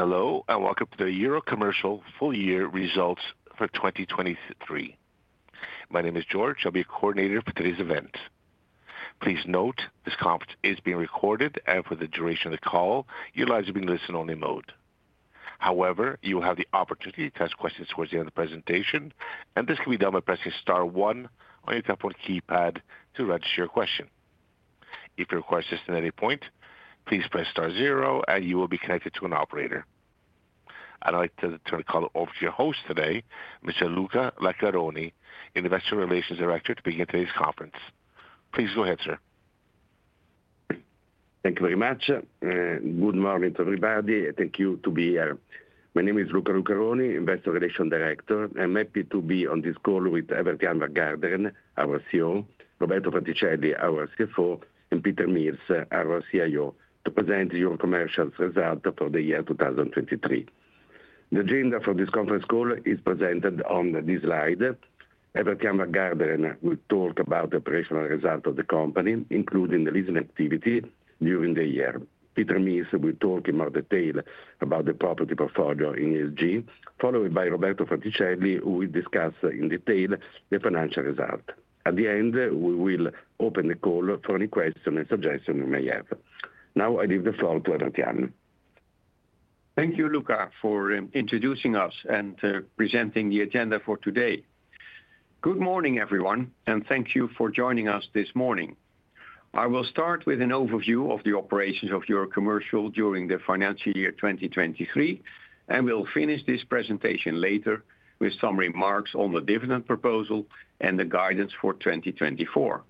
ello, and welcome to the Eurocommercial full year results for 2023. My name is George. I'll be your coordinator for today's event. Please note, this conference is being recorded, and for the duration of the call, your lines will be in listen-only mode. However, you will have the opportunity to ask questions towards the end of the presentation, and this can be done by pressing star one on your telephone keypad to register your question. If you require assistance at any point, please press star zero, and you will be connected to an operator. I'd like to turn the call over to your host today, Mr. Luca Lucaroni, Investor Relations Director, to begin today's conference. Please go ahead, sir. Thank you very much, and good morning to everybody, and thank you to be here. My name is Luca Lucaroni, Investor Relations Director. I'm happy to be on this call with Evert Jan van Garderen, our CEO, Roberto Fraticelli, our CFO, and Peter Mills, our CIO, to present Eurocommercial result for the year 2023. The agenda for this conference call is presented on the slide. Evert Jan van Garderen will talk about the operational result of the company, including the leasing activity during the year. Peter Mills will talk in more detail about the property portfolio in Italy, followed by Roberto Fraticelli, who will discuss in detail the financial result. At the end, we will open the call for any question and suggestion you may have. Now, I leave the floor to Evert Jan van Garderen. Thank you, Luca, for introducing us and presenting the agenda for today. Good morning, everyone, and thank you for joining us this morning. I will start with an overview of the operations of Eurocommercial during the financial year 2023, and we'll finish this presentation later with some remarks on the dividend proposal and the guidance for 2024.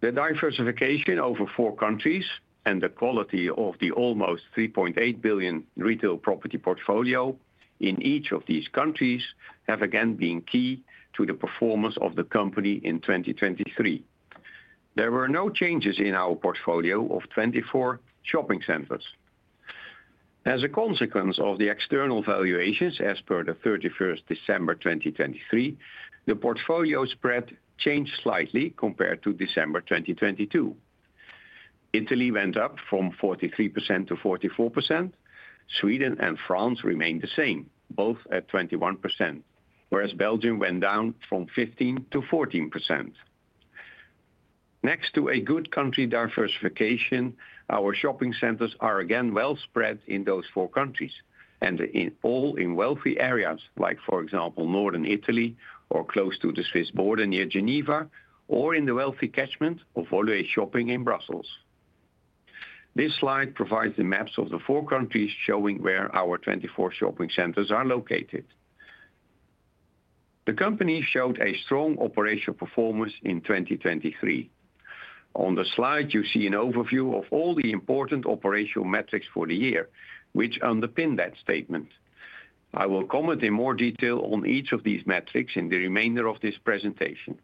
The diversification over four countries and the quality of the almost 3.8 billion retail property portfolio in each of these countries have again been key to the performance of the company in 2023. There were no changes in our portfolio of 24 shopping centers. As a consequence of the external valuations as per the 31st December 2023, the portfolio spread changed slightly compared to December 2022. Italy went up from 43%-44%. Sweden and France remained the same, both at 21%, whereas Belgium went down from 15%-14%. Next to a good country diversification, our shopping centers are again well spread in those four countries, and in all in wealthy areas, like for example, Northern Italy or close to the Swiss border near Geneva or in the wealthy catchment of Woluwe Shopping in Brussels. This slide provides the maps of the four countries showing where our 24 shopping centers are located. The company showed a strong operational performance in 2023. On the slide, you see an overview of all the important operational metrics for the year, which underpin that statement. I will comment in more detail on each of these metrics in the remainder of this presentation.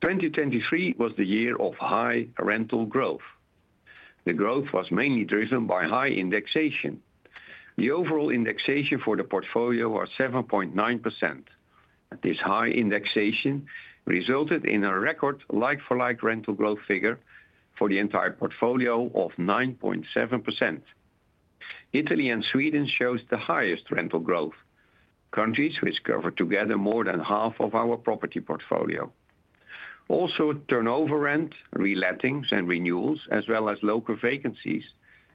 2023 was the year of high rental growth. The growth was mainly driven by high indexation. The overall indexation for the portfolio was 7.9%. This high indexation resulted in a record like-for-like rental growth figure for the entire portfolio of 9.7%. Italy and Sweden shows the highest rental growth, countries which cover together more than half of our property portfolio. Also, turnover rent, relettings, and renewals, as well as local vacancies,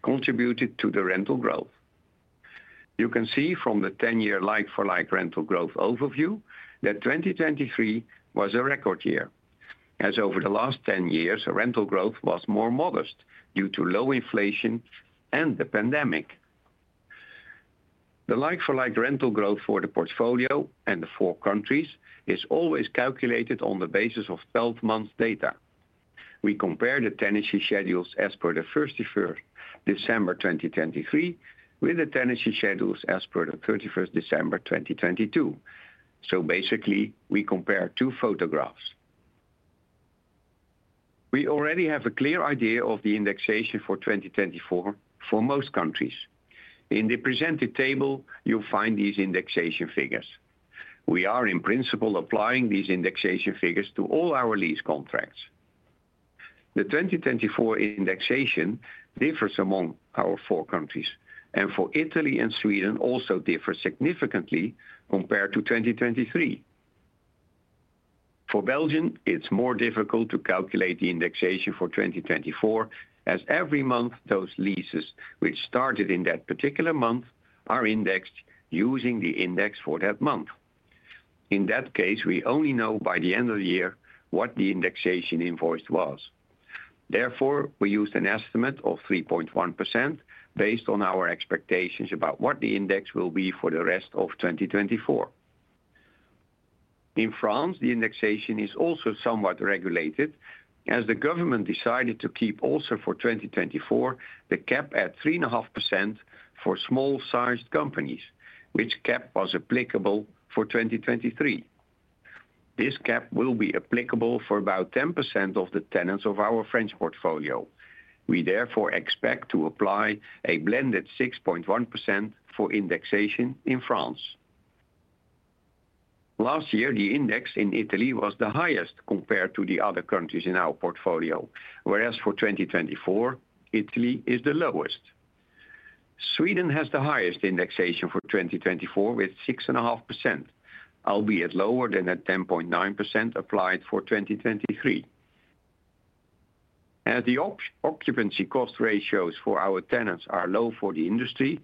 contributed to the rental growth. You can see from the 10-year like-for-like rental growth overview that 2023 was a record year, as over the last 10 years, rental growth was more modest due to low inflation and the pandemic. The like-for-like rental growth for the portfolio and the four countries is always calculated on the basis of 12 months data. We compare the tenancy schedules as per the 31st December 2023 with the tenancy schedules as per the 31st December 2022. So basically, we compare two photographs. We already have a clear idea of the indexation for 2024 for most countries. In the presented table, you'll find these indexation figures. We are, in principle, applying these indexation figures to all our lease contracts. The 2024 indexation differs among our four countries, and for Italy and Sweden also differs significantly compared to 2023. For Belgium, it's more difficult to calculate the indexation for 2024, as every month, those leases which started in that particular month are indexed using the index for that month. In that case, we only know by the end of the year what the indexation invoice was. Therefore, we used an estimate of 3.1% based on our expectations about what the index will be for the rest of 2024. In France, the indexation is also somewhat regulated, as the government decided to keep also for 2024 the cap at 3.5% for small-sized companies, which cap was applicable for 2023. This cap will be applicable for about 10% of the tenants of our French portfolio. We therefore expect to apply a blended 6.1% for indexation in France. Last year, the indexation in Italy was the highest compared to the other countries in our portfolio, whereas for 2024, Italy is the lowest. Sweden has the highest indexation for 2024, with 6.5%, albeit lower than the 10.9% applied for 2023. As the occupancy cost ratios for our tenants are low for the industry,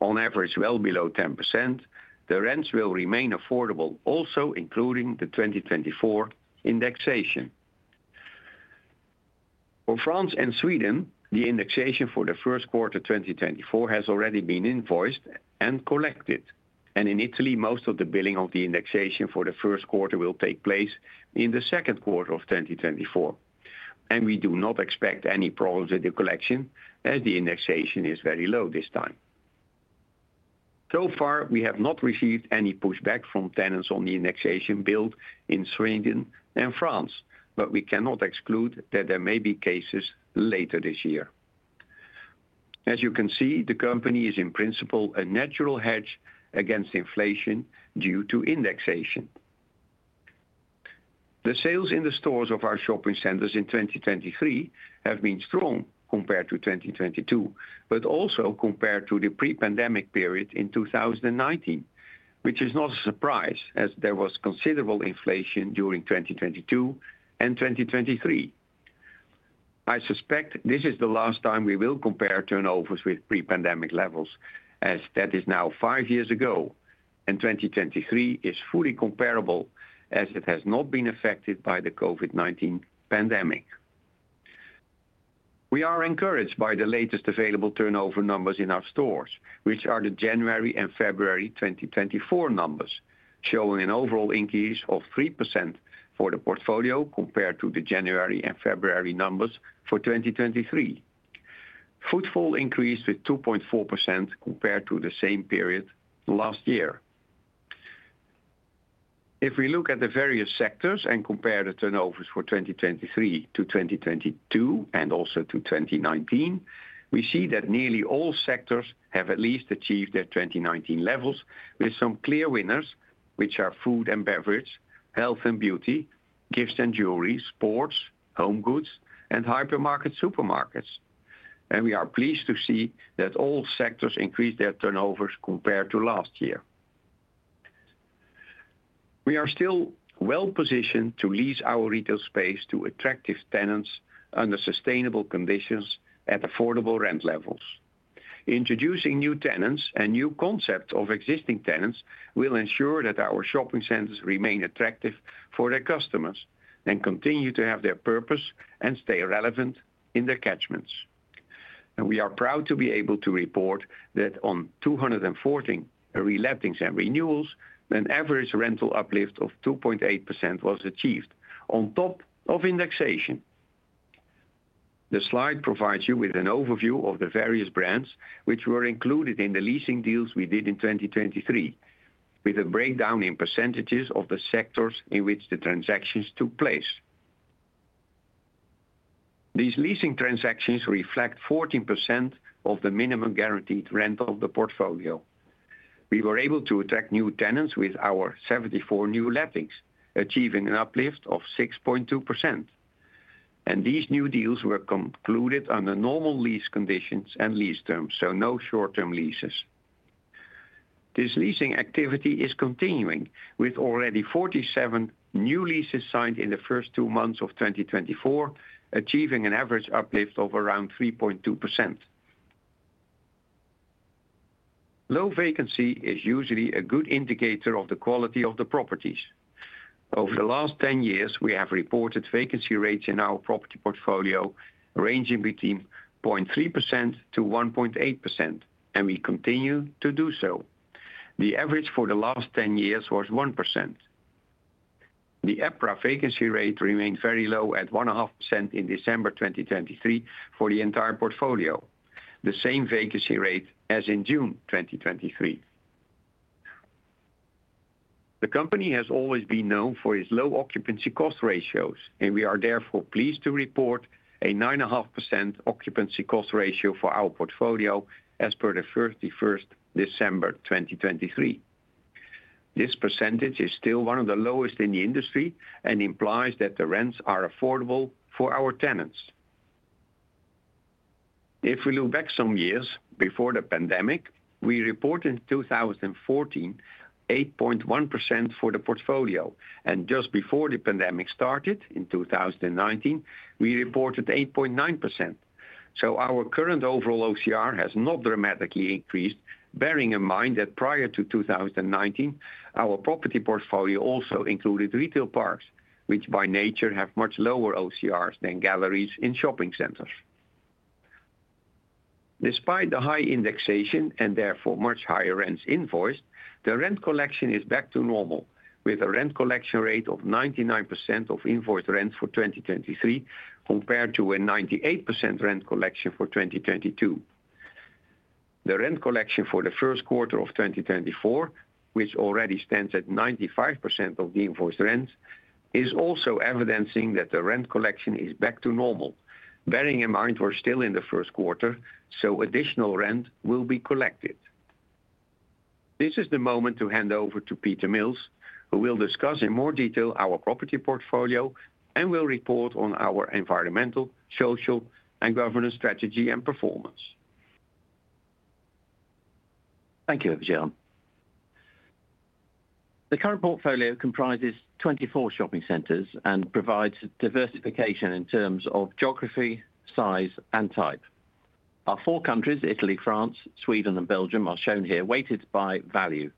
on average, well below 10%, the rents will remain affordable, also including the 2024 indexation. For France and Sweden, the indexation for the first quarter 2024 has already been invoiced and collected, and in Italy, most of the billing of the indexation for the first quarter will take place in the second quarter of 2024. We do not expect any problems with the collection, as the indexation is very low this time. So far, we have not received any pushback from tenants on the indexation bill in Sweden and France, but we cannot exclude that there may be cases later this year. As you can see, the company is in principle a natural hedge against inflation due to indexation. The sales in the stores of our shopping centers in 2023 have been strong compared to 2022, but also compared to the pre-pandemic period in 2019, which is not a surprise, as there was considerable inflation during 2022 and 2023. I suspect this is the last time we will compare turnovers with pre-pandemic levels, as that is now 5 years ago, and 2023 is fully comparable, as it has not been affected by the COVID-19 pandemic. We are encouraged by the latest available turnover numbers in our stores, which are the January and February 2024 numbers, showing an overall increase of 3% for the portfolio compared to the January and February numbers for 2023. Footfall increased with 2.4% compared to the same period last year. If we look at the various sectors and compare the turnovers for 2023-2022 and also to 2019, we see that nearly all sectors have at least achieved their 2019 levels, with some clear winners, which are food and beverage, health and beauty, gifts and jewelry, sports, home goods, and hypermarkets, supermarkets. We are pleased to see that all sectors increased their turnovers compared to last year. We are still well-positioned to lease our retail space to attractive tenants under sustainable conditions at affordable rent levels. Introducing new tenants and new concepts of existing tenants will ensure that our shopping centers remain attractive for their customers and continue to have their purpose and stay relevant in their catchments. We are proud to be able to report that on 214 relettings and renewals, an average rental uplift of 2.8% was achieved on top of indexation. The slide provides you with an overview of the various brands which were included in the leasing deals we did in 2023, with a breakdown in percentages of the sectors in which the transactions took place. These leasing transactions reflect 14% of the minimum guaranteed rent of the portfolio. We were able to attract new tenants with our 74 new lettings, achieving an uplift of 6.2%, and these new deals were concluded under normal lease conditions and lease terms, so no short-term leases. This leasing activity is continuing, with already 47 new leases signed in the first two months of 2024, achieving an average uplift of around 3.2%. Low vacancy is usually a good indicator of the quality of the properties. Over the last 10 years, we have reported vacancy rates in our property portfolio, ranging between 0.3%-1.8%, and we continue to do so. The average for the last 10 years was 1%. The EPRA vacancy rate remained very low at 1.5% in December 2023 for the entire portfolio, the same vacancy rate as in June 2023. The company has always been known for its low occupancy cost ratios, and we are therefore pleased to report a 9.5% occupancy cost ratio for our portfolio as per the 31st December 2023. This percentage is still one of the lowest in the industry and implies that the rents are affordable for our tenants. If we look back some years before the pandemic, we reported in 2014, 8.1% for the portfolio, and just before the pandemic started in 2019, we reported 8.9%. So our current overall OCR has not dramatically increased, bearing in mind that prior to 2019, our property portfolio also included retail parks, which by nature have much lower OCRs than galleries in shopping centers. Despite the high indexation and therefore much higher rents invoiced, the rent collection is back to normal, with a rent collection rate of 99% of invoiced rents for 2023, compared to a 98% rent collection for 2022. The rent collection for the first quarter of 2024, which already stands at 95% of the invoiced rents, is also evidencing that the rent collection is back to normal. Bearing in mind, we're still in the first quarter, so additional rent will be collected. This is the moment to hand over to Peter Mills, who will discuss in more detail our property portfolio and will report on our environmental, social, and governance strategy and performance. Thank you, Evert. The current portfolio comprises 24 shopping centers and provides diversification in terms of geography, size, and type. Our four countries, Italy, France, Sweden, and Belgium, are shown here, weighted by value.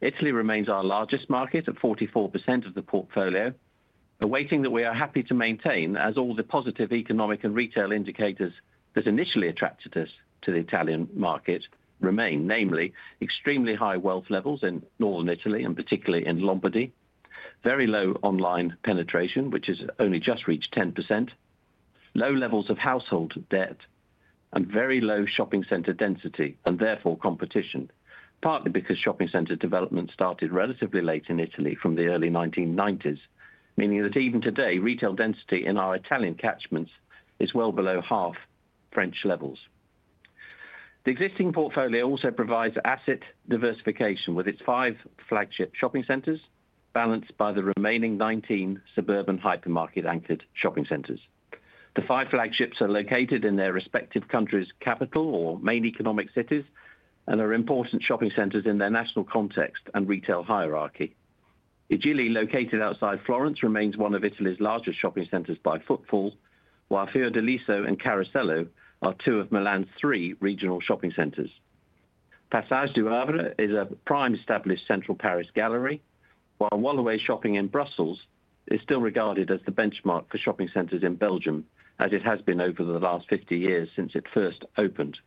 Italy remains our largest market at 44% of the portfolio, a weighting that we are happy to maintain as all the positive economic and retail indicators that initially attracted us to the Italian market remain, namely extremely high wealth levels in Northern Italy, and particularly in Lombardy, very low online penetration, which has only just reached 10%, low levels of household debt, and very low shopping center density, and therefore competition. Partly because shopping center development started relatively late in Italy from the early 1990s, meaning that even today, retail density in our Italian catchments is well below half French levels. The existing portfolio also provides asset diversification, with its five flagship shopping centers, balanced by the remaining nineteen suburban hypermarket-anchored shopping centers. The five flagships are located in their respective country's capital or main economic cities and are important shopping centers in their national context and retail hierarchy. I Gigli, located outside Florence, remains one of Italy's largest shopping centers by footfall, while Fiordaliso and Carosello are two of Milan's three regional shopping centers. Passage du Havre is a prime established central Paris gallery, while Woluwe Shopping in Brussels is still regarded as the benchmark for shopping centers in Belgium, as it has been over the last fifty years since it first opened.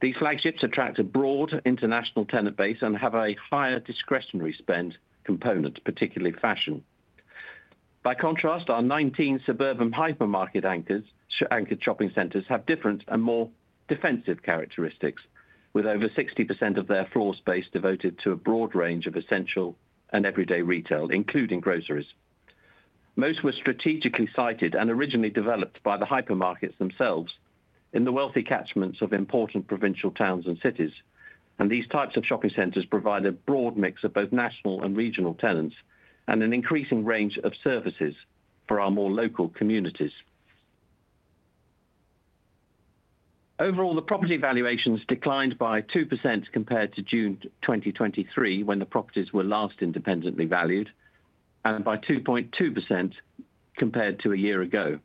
These flagships attract a broad international tenant base and have a higher discretionary spend component, particularly fashion. By contrast, our 19 suburban hypermarket anchors, anchored shopping centers have different and more defensive characteristics, with over 60% of their floor space devoted to a broad range of essential and everyday retail, including groceries. Most were strategically sited and originally developed by the hypermarkets themselves in the wealthy catchments of important provincial towns and cities, and these types of shopping centers provide a broad mix of both national and regional tenants and an increasing range of services for our more local communities. Overall, the property valuations declined by 2% compared to June 2023, when the properties were last independently valued, and by 2.2% compared to a year ago.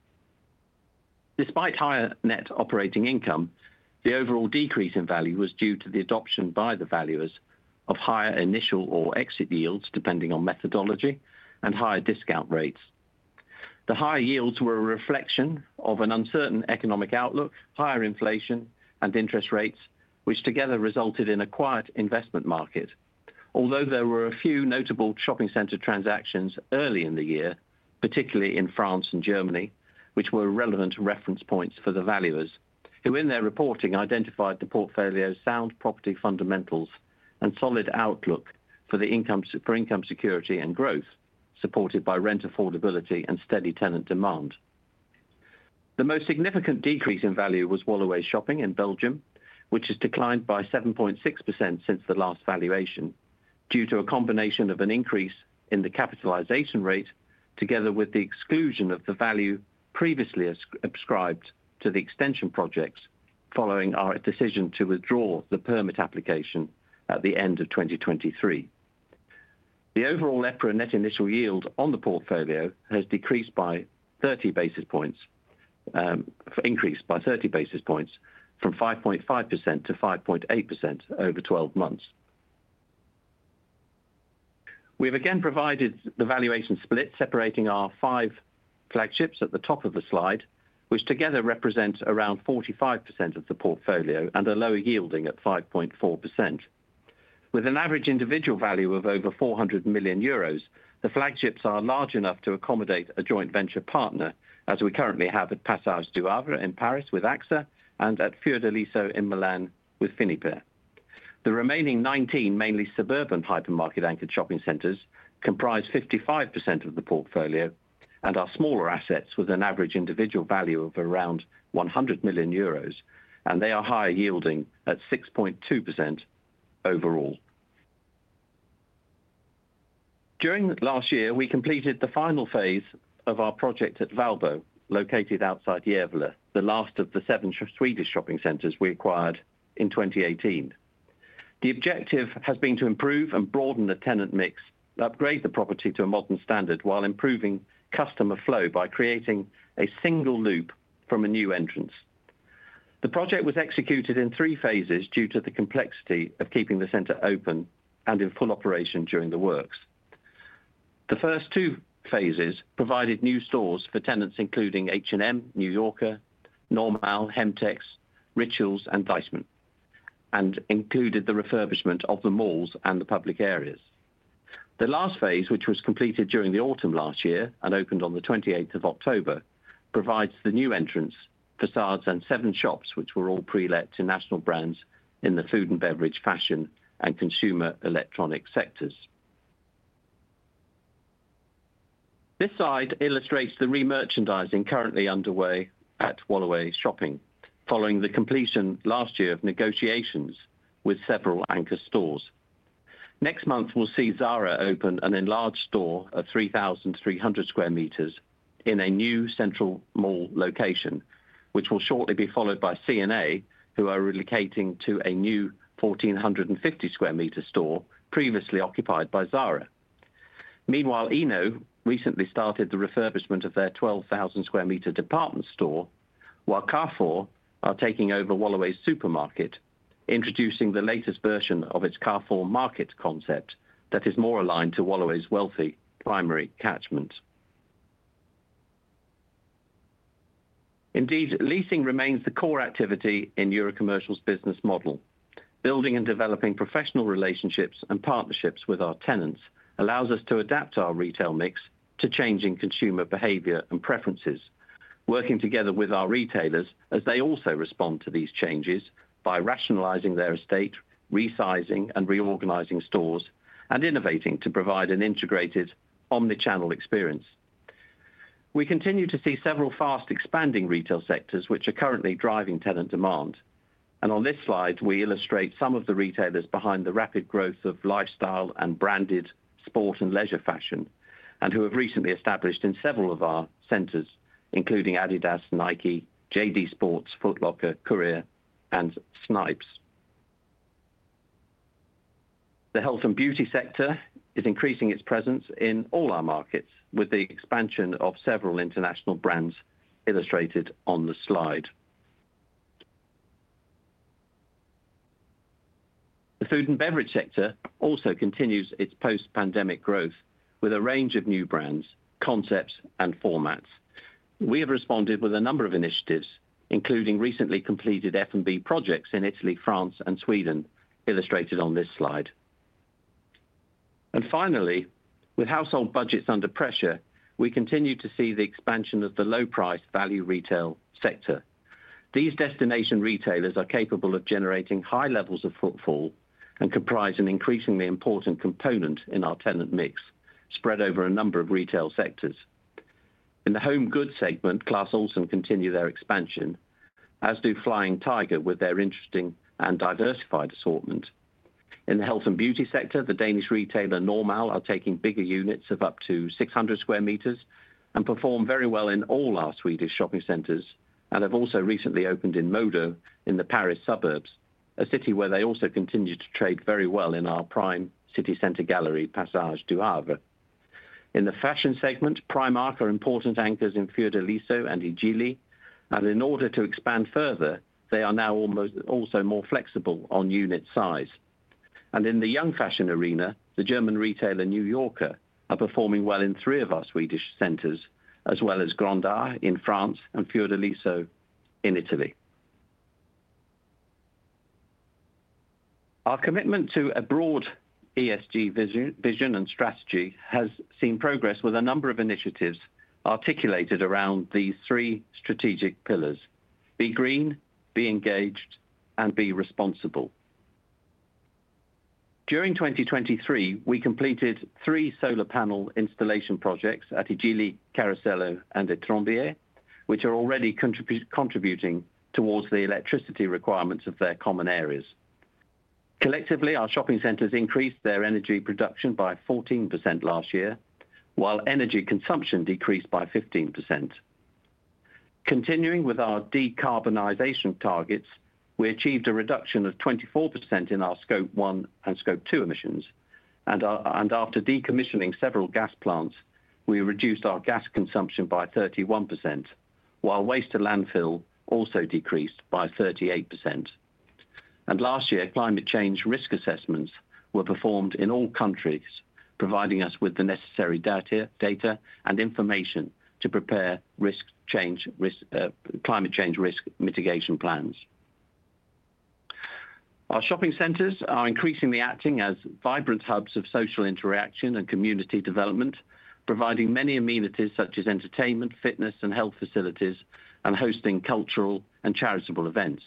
Despite higher net operating income, the overall decrease in value was due to the adoption by the valuers of higher initial or exit yields, depending on methodology and higher discount rates. The higher yields were a reflection of an uncertain economic outlook, higher inflation and interest rates, which together resulted in a quiet investment market. Although there were a few notable shopping center transactions early in the year, particularly in France and Germany, which were relevant reference points for the valuers, who, in their reporting, identified the portfolio's sound property fundamentals and solid outlook for income security and growth, supported by rent affordability and steady tenant demand. The most significant decrease in value was Woluwe Shopping in Belgium, which has declined by 7.6% since the last valuation, due to a combination of an increase in the capitalization rate, together with the exclusion of the value previously ascribed to the extension projects following our decision to withdraw the permit application at the end of 2023. The overall EPRA net initial yield on the portfolio has decreased by 30 basis points, increased by 30 basis points from 5.5%-5.8% over 12 months. We've again provided the valuation split, separating our 5 flagships at the top of the slide, which together represent around 45% of the portfolio and are lower yielding at 5.4%. With an average individual value of over 400 million euros, the flagships are large enough to accommodate a joint venture partner, as we currently have at Passage du Havre in Paris with AXA and at Fiordaliso in Milan with Finiper. The remaining 19, mainly suburban hypermarket anchored shopping centers, comprise 55% of the portfolio and are smaller assets with an average individual value of around 100 million euros, and they are higher yielding at 6.2% overall. During the last year, we completed the final phase of our project at Valbo, located outside Gävle, the last of the seven Swedish shopping centers we acquired in 2018. The objective has been to improve and broaden the tenant mix, upgrade the property to a modern standard while improving customer flow by creating a single loop from a new entrance. The project was executed in three phases due to the complexity of keeping the center open and in full operation during the works. The first two phases provided new stores for tenants including H&M, New Yorker, Normal, Hemtex, Rituals, and Deichmann, and included the refurbishment of the malls and the public areas. The last phase, which was completed during the autumn last year and opened on the twenty-eighth of October, provides the new entrance, facades, and seven shops, which were all pre-let to national brands in the food and beverage, fashion, and consumer electronic sectors... This slide illustrates the remerchandising currently underway at Woluwe Shopping, following the completion last year of negotiations with several anchor stores. Next month, we'll see Zara open an enlarged store of 3,300 square meters in a new central mall location, which will shortly be followed by C&A, who are relocating to a new 1,450 square meter store previously occupied by Zara. Meanwhile, Inno recently started the refurbishment of their 12,000 square meter department store, while Carrefour are taking over Woluwe's supermarket, introducing the latest version of its Carrefour Market concept that is more aligned to Woluwe's wealthy primary catchment. Indeed, leasing remains the core activity in Eurocommercial's business model. Building and developing professional relationships and partnerships with our tenants allows us to adapt our retail mix to changing consumer behavior and preferences. Working together with our retailers as they also respond to these changes by rationalizing their estate, resizing and reorganizing stores, and innovating to provide an integrated omni-channel experience. We continue to see several fast-expanding retail sectors which are currently driving tenant demand, and on this slide, we illustrate some of the retailers behind the rapid growth of lifestyle and branded sport and leisure fashion, and who have recently established in several of our centers, including Adidas, Nike, JD Sports, Foot Locker, Courir, and Snipes. The health and beauty sector is increasing its presence in all our markets, with the expansion of several international brands illustrated on the slide. The food and beverage sector also continues its post-pandemic growth with a range of new brands, concepts, and formats. We have responded with a number of initiatives, including recently completed F&B projects in Italy, France, and Sweden, illustrated on this slide. Finally, with household budgets under pressure, we continue to see the expansion of the low-price value retail sector. These destination retailers are capable of generating high levels of footfall and comprise an increasingly important component in our tenant mix, spread over a number of retail sectors. In the home goods segment, Clas Ohlson continue their expansion, as do Flying Tiger with their interesting and diversified assortment. In the health and beauty sector, the Danish retailer Normal are taking bigger units of up to 600 square meters and perform very well in all our Swedish shopping centers, and have also recently opened in MoDo in the Paris suburbs, a city where they also continue to trade very well in our prime city center gallery, Passage du Havre. In the fashion segment, Primark are important anchors in Fiordaliso and I Gigli, and in order to expand further, they are now almost, also more flexible on unit size. In the young fashion arena, the German retailer New Yorker are performing well in three of our Swedish centers, as well as Grand A in France and Fiordaliso in Italy. Our commitment to a broad ESG vision and strategy has seen progress with a number of initiatives articulated around these three strategic pillars: be green, be engaged, and be responsible. During 2023, we completed three solar panel installation projects at I Gigli, Carosello, and Etrembières, which are already contributing towards the electricity requirements of their common areas. Collectively, our shopping centers increased their energy production by 14% last year, while energy consumption decreased by 15%. Continuing with our decarbonization targets, we achieved a reduction of 24% in our Scope 1 and Scope 2 emissions, and after decommissioning several gas plants, we reduced our gas consumption by 31%, while waste to landfill also decreased by 38%. Last year, climate change risk assessments were performed in all countries, providing us with the necessary data and information to prepare climate change risk mitigation plans. Our shopping centers are increasingly acting as vibrant hubs of social interaction and community development, providing many amenities such as entertainment, fitness, and health facilities, and hosting cultural and charitable events.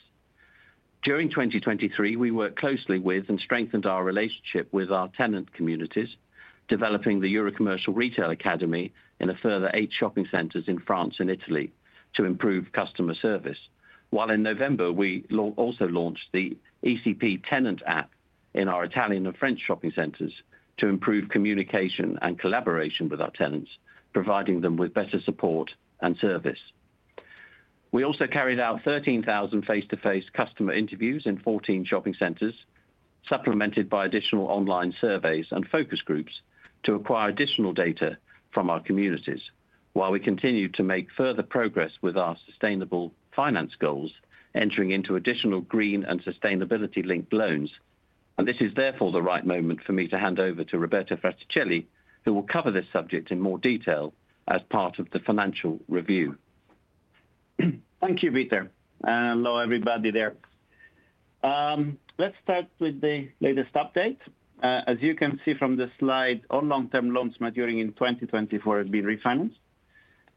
During 2023, we worked closely with and strengthened our relationship with our tenant communities, developing the Eurocommercial Retail Academy in a further eight shopping centers in France and Italy to improve customer service. While in November, we also launched the ECP tenant app in our Italian and French shopping centers to improve communication and collaboration with our tenants, providing them with better support and service. We also carried out 13,000 face-to-face customer interviews in 14 shopping centers, supplemented by additional online surveys and focus groups to acquire additional data from our communities, while we continue to make further progress with our sustainable finance goals, entering into additional green and sustainability-linked loans. This is therefore the right moment for me to hand over to Roberto Fraticelli, who will cover this subject in more detail as part of the financial review. Thank you, Peter. Hello, everybody there. Let's start with the latest update. As you can see from the slide, all long-term loans maturing in 2024 has been refinanced.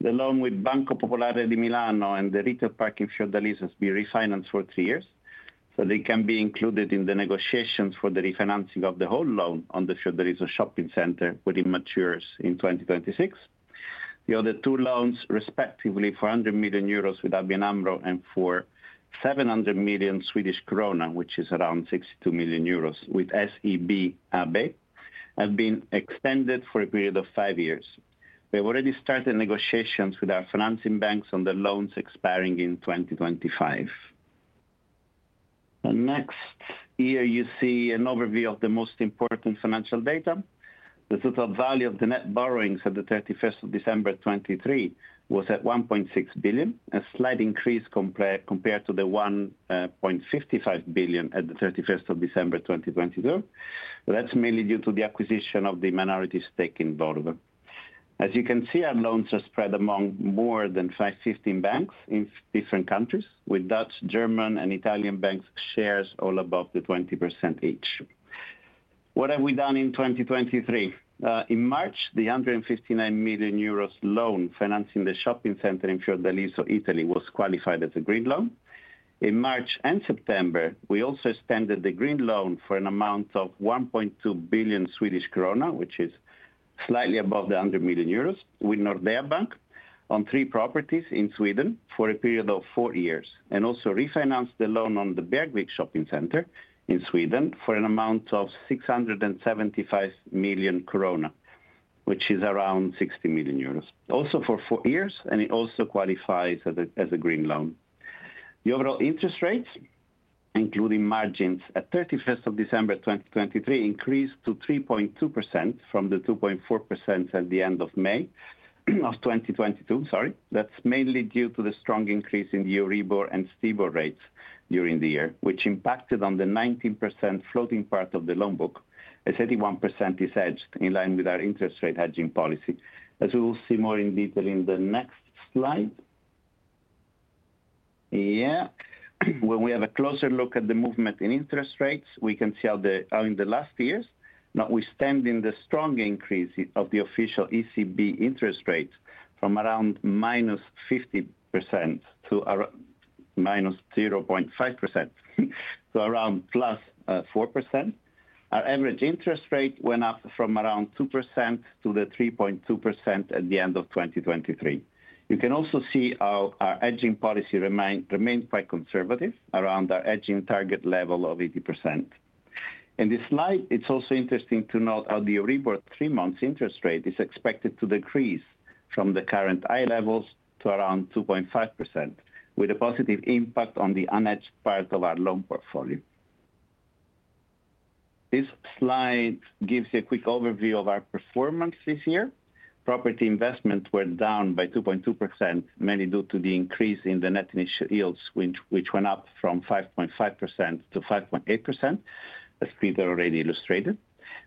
The loan with Banca Popolare di Milano and the retail park in Fiordaliso has been refinanced for 3 years, so they can be included in the negotiations for the refinancing of the whole loan on the Fiordaliso shopping center, which matures in 2026. The other two loans, respectively, for 100 million euros with ABN AMRO, and for 700 million Swedish krona, which is around 62 million euros, with SEB AB, have been extended for a period of 5 years. We have already started negotiations with our financing banks on the loans expiring in 2025. Next, here you see an overview of the most important financial data. The total value of the net borrowings at the thirty-first of December 2023 was at 1.6 billion, a slight increase compared to the 1.55 billion at the thirty-first of December 2022. That's mainly due to the acquisition of the minority stake in Valbo. As you can see, our loans are spread among more than fifteen banks in different countries, with Dutch, German, and Italian banks' shares all above 20% each. What have we done in 2023? In March, the 159 million euros loan financing the shopping center in Fiordaliso, Italy, was qualified as a green loan. In March and September, we also extended the green loan for an amount of 1.2 billion Swedish krona, which is slightly above 100 million euros, with Nordea Bank on three properties in Sweden for a period of four years, and also refinanced the loan on the Bergvik Shopping Center in Sweden for an amount of 675 million krona, which is around 60 million euros. Also for 4 years, and it also qualifies as a green loan. The overall interest rates, including margins, at 31st of December 2023, increased to 3.2% from the 2.4% at the end of May of 2022, sorry. That's mainly due to the strong increase in the EURIBOR and STIBOR rates during the year, which impacted on the 90% floating part of the loan book, as 81% is hedged in line with our interest rate hedging policy. As we will see more in detail in the next slide. Yeah, when we have a closer look at the movement in interest rates, we can see how the in the last years, now we stand in the strong increase of the official ECB interest rates from around -50% to around -0.5%, to around +4%. Our average interest rate went up from around 2% to the 3.2% at the end of 2023. You can also see how our hedging policy remains quite conservative around our hedging target level of 80%. In this slide, it's also interesting to note how the EURIBOR three-month interest rate is expected to decrease from the current high levels to around 2.5%, with a positive impact on the unhedged part of our loan portfolio. This slide gives you a quick overview of our performance this year. Property investments were down by 2.2%, mainly due to the increase in the net initial yields, which went up from 5.5%-5.8%, as Peter already illustrated,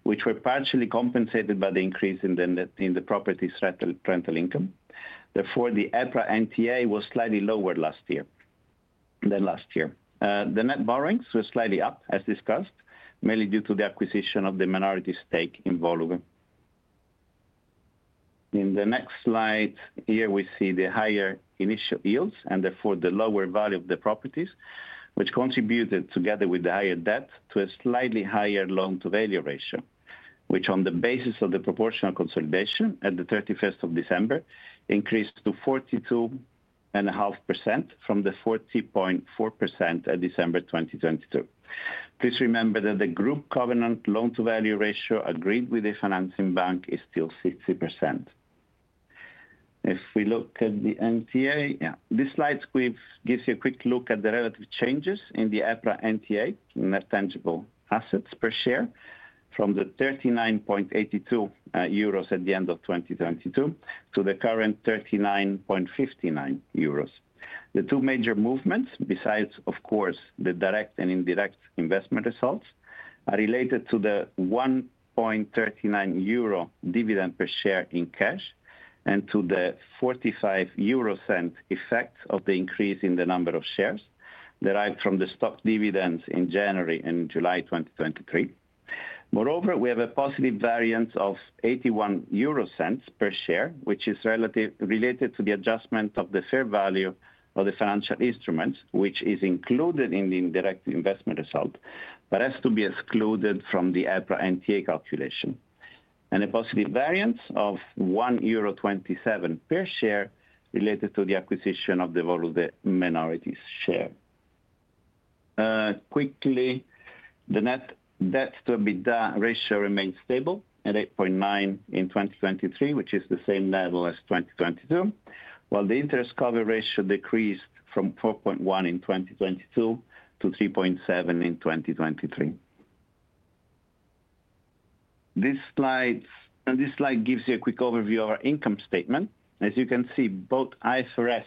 which were partially compensated by the increase in the net rental income. Therefore, the EPRA NTA was slightly lower than last year. The net borrowings were slightly up, as discussed, mainly due to the acquisition of the minority stake in Woluwe. In the next slide, here we see the higher initial yields, and therefore the lower value of the properties, which contributed, together with the higher debt, to a slightly higher loan-to-value ratio. Which on the basis of the proportional consolidation at the thirty-first of December increased to 42.5% from the 40.4% at December 2022. Please remember that the group covenant loan-to-value ratio agreed with the financing bank is still 60%. If we look at the NTA, yeah, this slide gives you a quick look at the relative changes in the EPRA NTA, net tangible assets per share, from the 39.82 euros at the end of 2022 to the current 39.59 euros. The two major movements, besides, of course, the direct and indirect investment results, are related to the 1.39 euro dividend per share in cash, and to the 0.45 euro effect of the increase in the number of shares derived from the stock dividends in January and July 2023. Moreover, we have a positive variance of 0.81 per share, which is related to the adjustment of the fair value of the financial instruments, which is included in the indirect investment result, but has to be excluded from the EPRA NTA calculation. A positive variance of 1.27 euro per share related to the acquisition of the Valbo minorities share. Quickly, the net debt to EBITDA ratio remains stable at 8.9 in 2023, which is the same level as 2022, while the interest cover ratio decreased from 4.1 in 2022 to 3.7 in 2023. This slide gives you a quick overview of our income statement. As you can see, both IFRS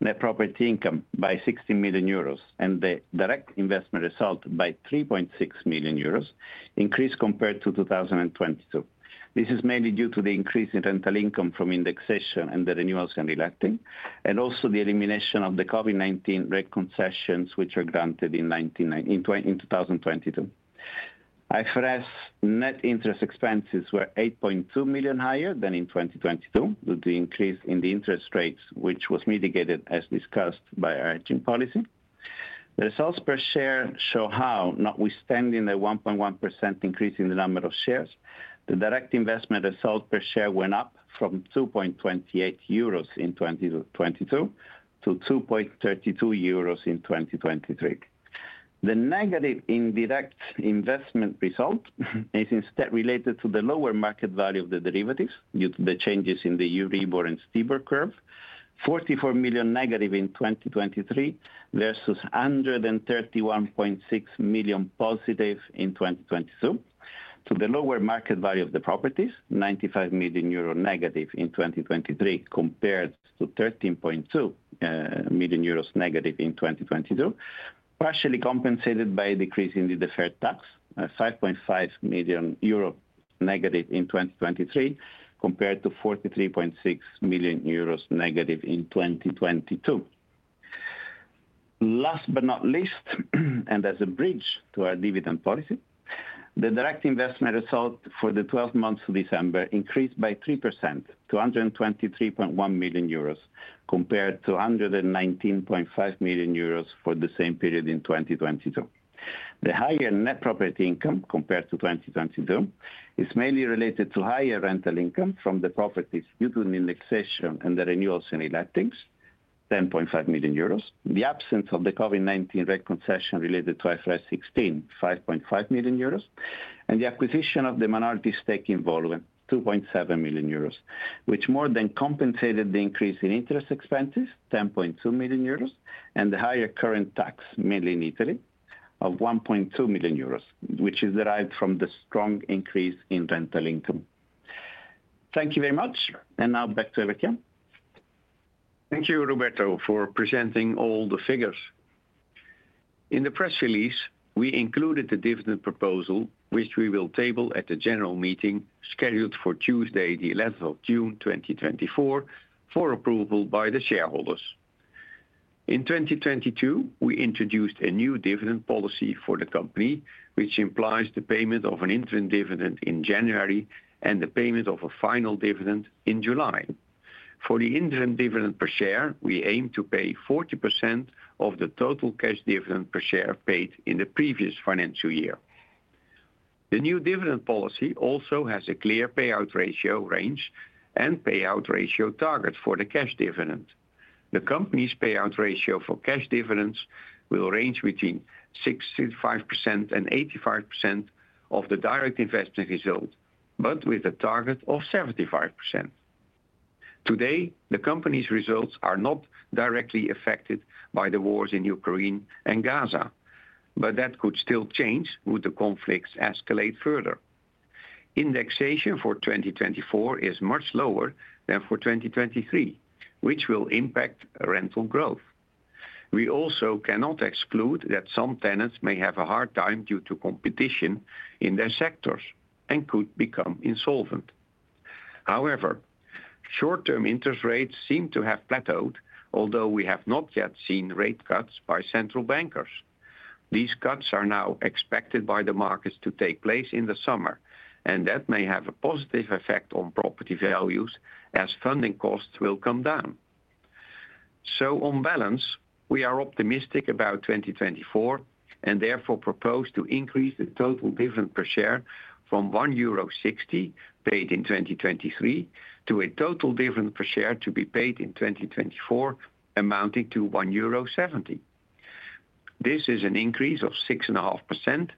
net property income by 60 million euros, and the direct investment result by 3.6 million euros, increased compared to 2022. This is mainly due to the increase in rental income from indexation and the renewals and reletting, and also the elimination of the COVID-19 rent concessions, which were granted in 2022. IFRS net interest expenses were 8.2 million higher than in 2022, with the increase in the interest rates, which was mitigated as discussed by our hedging policy. The results per share show how, notwithstanding the 1.1% increase in the number of shares, the direct investment results per share went up from 2.28 euros in 2022 to 2.32 euros in 2023. The negative indirect investment result is instead related to the lower market value of the derivatives due to the changes in the EURIBOR and STIBOR curve. 44 million negative in 2023, versus 131.6 million positive in 2022. To the lower market value of the properties, 95 million euro negative in 2023, compared to 13.2 million euros negative in 2022, partially compensated by a decrease in the deferred tax, 5.5 million euro negative in 2023, compared to 43.6 million euros negative in 2022. Last but not least, and as a bridge to our dividend policy, the direct investment result for the twelve months to December increased by 3% to 123.1 million euros, compared to 119.5 million euros for the same period in 2022. The higher net property income compared to 2022 is mainly related to higher rental income from the properties due to an indexation and the renewals in leasings, 10.5 million euros. The absence of the COVID-19 rate concession related to IFRS 16, 5.5 million euros, and the acquisition of the minority stake in Woluwe, 2.7 million euros, which more than compensated the increase in interest expenses, 10.2 million euros, and the higher current tax, mainly in Italy, of 1.2 million euros, which is derived from the strong increase in rental income. Thank you very much, and now back to Evert. Thank you, Roberto, for presenting all the figures. In the press release, we included the dividend proposal, which we will table at the general meeting scheduled for Tuesday, the 11th of June, 2024, for approval by the shareholders. In 2022, we introduced a new dividend policy for the company, which implies the payment of an interim dividend in January and the payment of a final dividend in July. For the interim dividend per share, we aim to pay 40% of the total cash dividend per share paid in the previous financial year. The new dividend policy also has a clear payout ratio range and payout ratio target for the cash dividend. The company's payout ratio for cash dividends will range between 65% and 85% of the direct investment result, but with a target of 75%. Today, the company's results are not directly affected by the wars in Ukraine and Gaza, but that could still change would the conflicts escalate further. Indexation for 2024 is much lower than for 2023, which will impact rental growth. We also cannot exclude that some tenants may have a hard time due to competition in their sectors and could become insolvent. However, short-term interest rates seem to have plateaued, although we have not yet seen rate cuts by central bankers. These cuts are now expected by the markets to take place in the summer, and that may have a positive effect on property values as funding costs will come down. So on balance, we are optimistic about 2024, and therefore propose to increase the total dividend per share from 1.60 euro, paid in 2023, to a total dividend per share to be paid in 2024, amounting to EUR 1.70. This is an increase of 6.5%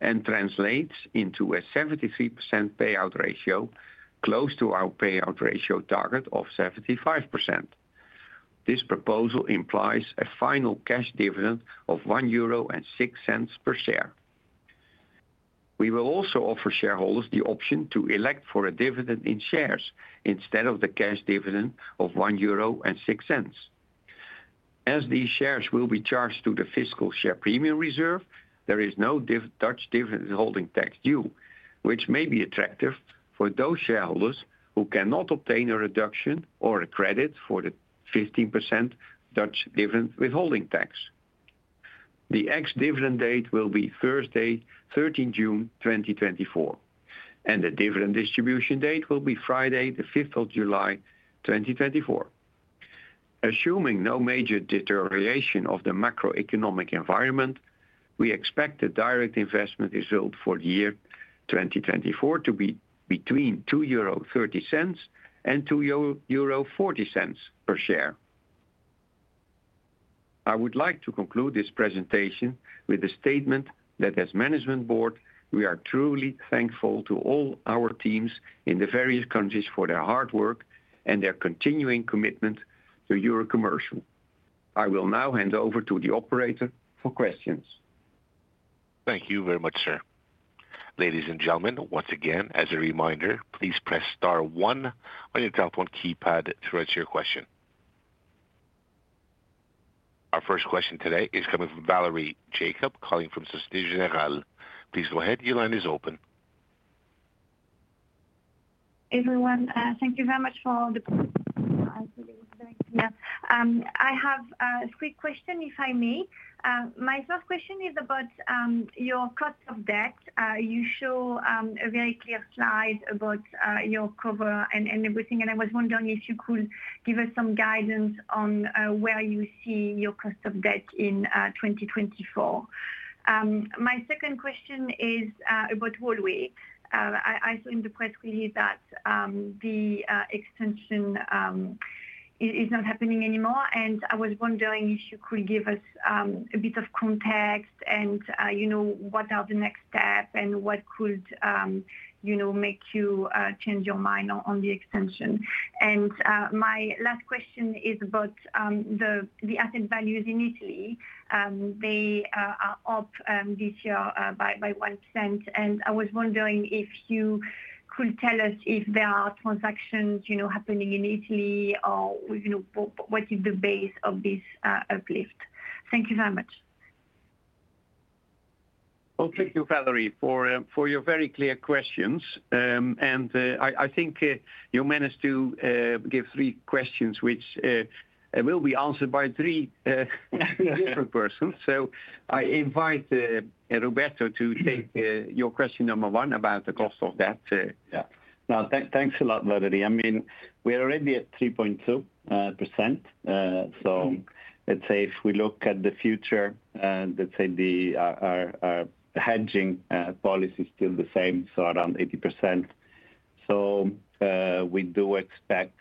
and translates into a 73% payout ratio, close to our payout ratio target of 75%. This proposal implies a final cash dividend of 1.06 euro per share. We will also offer shareholders the option to elect for a dividend in shares, instead of the cash dividend of 1.06 euro. As these shares will be charged to the fiscal share premium reserve, there is no Dutch dividend withholding tax due, which may be attractive for those shareholders who cannot obtain a reduction or a credit for the 15% Dutch dividend withholding tax. The ex-dividend date will be Thursday, 13th June, 2024, and the dividend distribution date will be Friday, the 5th of July, 2024. Assuming no major deterioration of the macroeconomic environment, we expect the direct investment result for the year 2024 to be between 2.30 euro and 2.40 euro per share. I would like to conclude this presentation with the statement that as management board, we are truly thankful to all our teams in the various countries for their hard work and their continuing commitment to Eurocommercial. I will now hand over to the operator for questions. Thank you very much, sir. Ladies and gentlemen, once again, as a reminder, please press star one on your telephone keypad to register your question. Our first question today is coming from Valérie Jacob, calling from Société Générale. Please go ahead. Your line is open. Everyone, thank you very much for the Yeah. I have a quick question, if I may. My first question is about your cost of debt. You show a very clear slide about your cover and everything, and I was wondering if you could give us some guidance on where you see your cost of debt in 2024. My second question is about Woluwe. I saw in the press release that the extension is not happening anymore, and I was wondering if you could give us a bit of context and, you know, what are the next step, and what could, you know, make you change your mind on the extension? And my last question is about the asset values in Italy. They are up this year by 1%, and I was wondering if you could tell us if there are transactions, you know, happening in Italy or, you know, what is the base of this uplift? Thank you very much. Well, thank you, Valérie, for your very clear questions. I think you managed to give three questions, which will be answered by three different persons. So I invite Roberto to take your question number one about the cost of debt, Yeah. Now, thanks a lot, Valérie. I mean, we're already at 3.2%. So let's say if we look at the future, let's say our hedging policy is still the same, so around 80%. So we do expect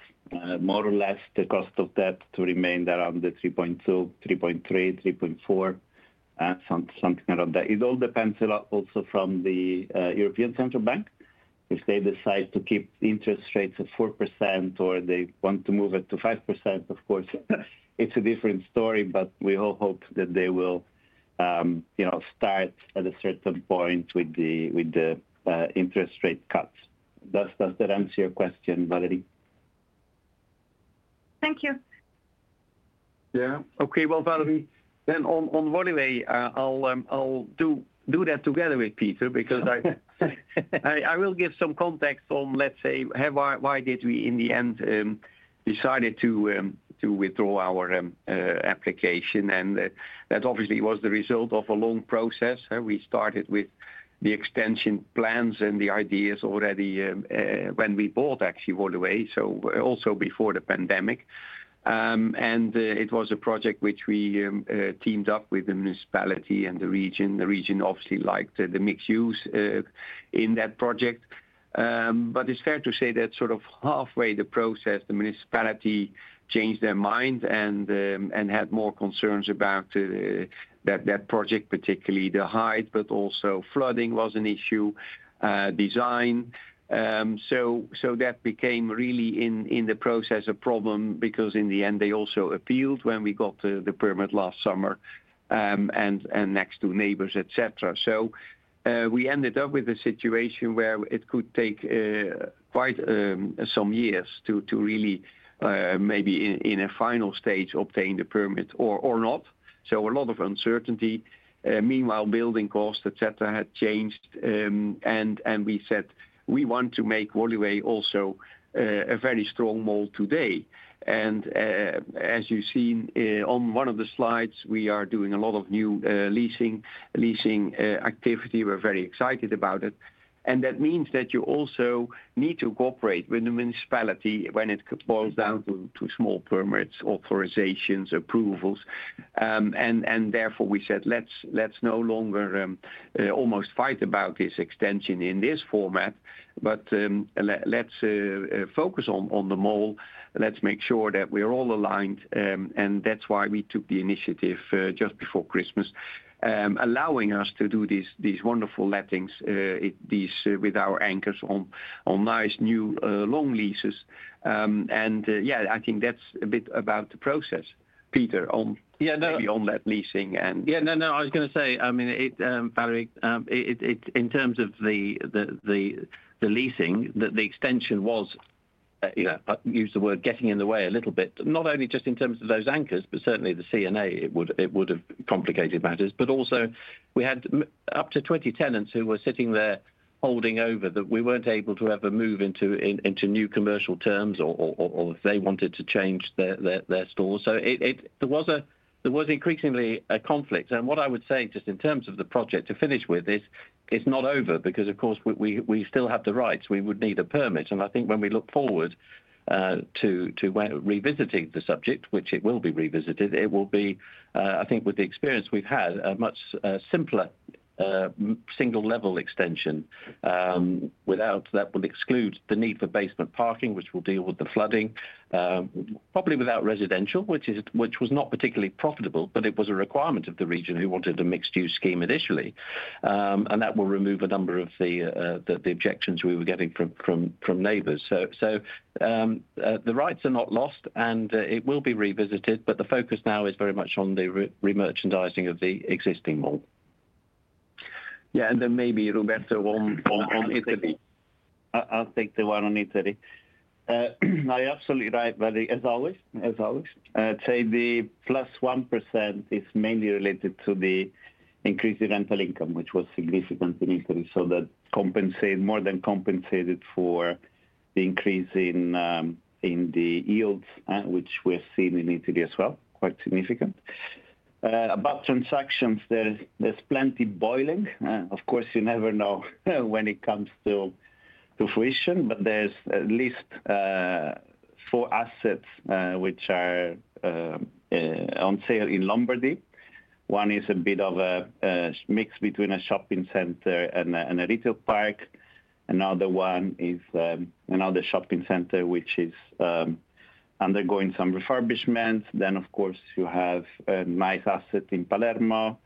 more or less the cost of debt to remain around the 3.2, 3.3, 3.4 something around that. It all depends a lot also from the European Central Bank. If they decide to keep interest rates at 4%, or they want to move it to 5%, of course, it's a different story, but we all hope that they will, you know, start at a certain point with the interest rate cuts. Does that answer your question, Valérie? Thank you. Yeah. Okay, well, Valérie, then on Woluwe, I'll do that together with Peter, because I will give some context on, let's say, why did we, in the end, decided to withdraw our application? And that obviously was the result of a long process. We started with the extension plans and the ideas already when we actually bought Woluwe, so also before the pandemic. And it was a project which we teamed up with the municipality and the region. The region obviously liked the mixed use in that project. But it's fair to say that sort of halfway the process, the municipality changed their mind and had more concerns about that project, particularly the height, but also flooding was an issue, design. So that became really in the process a problem, because in the end, they also appealed when we got the permit last summer, and next to neighbors, et cetera. So we ended up with a situation where it could take quite some years to really maybe in a final stage obtain the permit or not. So a lot of uncertainty. Meanwhile, building costs, et cetera, had changed. And we said, "We want to make Woluwe also a very strong mall today." And as you've seen on one of the slides, we are doing a lot of new leasing activity. We're very excited about it, and that means that you also need to cooperate with the municipality when it boils down to small permits, authorizations, approvals. Therefore, we said, "Let's no longer almost fight about this extension in this format, but let's focus on the mall. Let's make sure that we're all aligned," and that's why we took the initiative just before Christmas, allowing us to do these wonderful lettings with our anchors on nice, new long leases. And yeah, I think that's a bit about the process. Peter, on Yeah, no Maybe on that leasing, and Yeah, no, no, I was gonna say, I mean it, Valérie, it, it. In terms of the leasing, that the extension was, you know, I'd use the word getting in the way a little bit, not only just in terms of those anchors, but certainly the C&A, it would, it would have complicated matters. But also, we had up to 20 tenants who were sitting there holding over, that we weren't able to ever move into, in, into new commercial terms or, or, or, or if they wanted to change their, their, their stores. So it, it. There was a, there was increasingly a conflict. And what I would say, just in terms of the project, to finish with this, it's not over, because, of course, we, we, we still have the rights. We would need a permit. I think when we look forward to when revisiting the subject, which it will be revisited, it will be, I think with the experience we've had, a much simpler single level extension. Without that would exclude the need for basement parking, which will deal with the flooding, probably without residential, which was not particularly profitable, but it was a requirement of the region who wanted a mixed-use scheme initially. And that will remove a number of the objections we were getting from neighbors. The rights are not lost, and it will be revisited, but the focus now is very much on the re-merchandising of the existing mall. Yeah, and then maybe Roberto on Italy. I'll take the one on Italy. I’m absolutely right, Valérie, as always, as always. I’d say the +1% is mainly related to the increased rental income, which was significant in Italy, so that compensated more than compensated for the increase in the yields, which we’re seeing in Italy as well, quite significant. About transactions, there’s plenty boiling. Of course, you never know when it comes to fruition, but there’s at least 4 assets which are on sale in Lombardy. One is a bit of a mix between a shopping center and a retail park. Another one is another shopping center, which is undergoing some refurbishment. Then, of course, you have a nice asset in Palermo,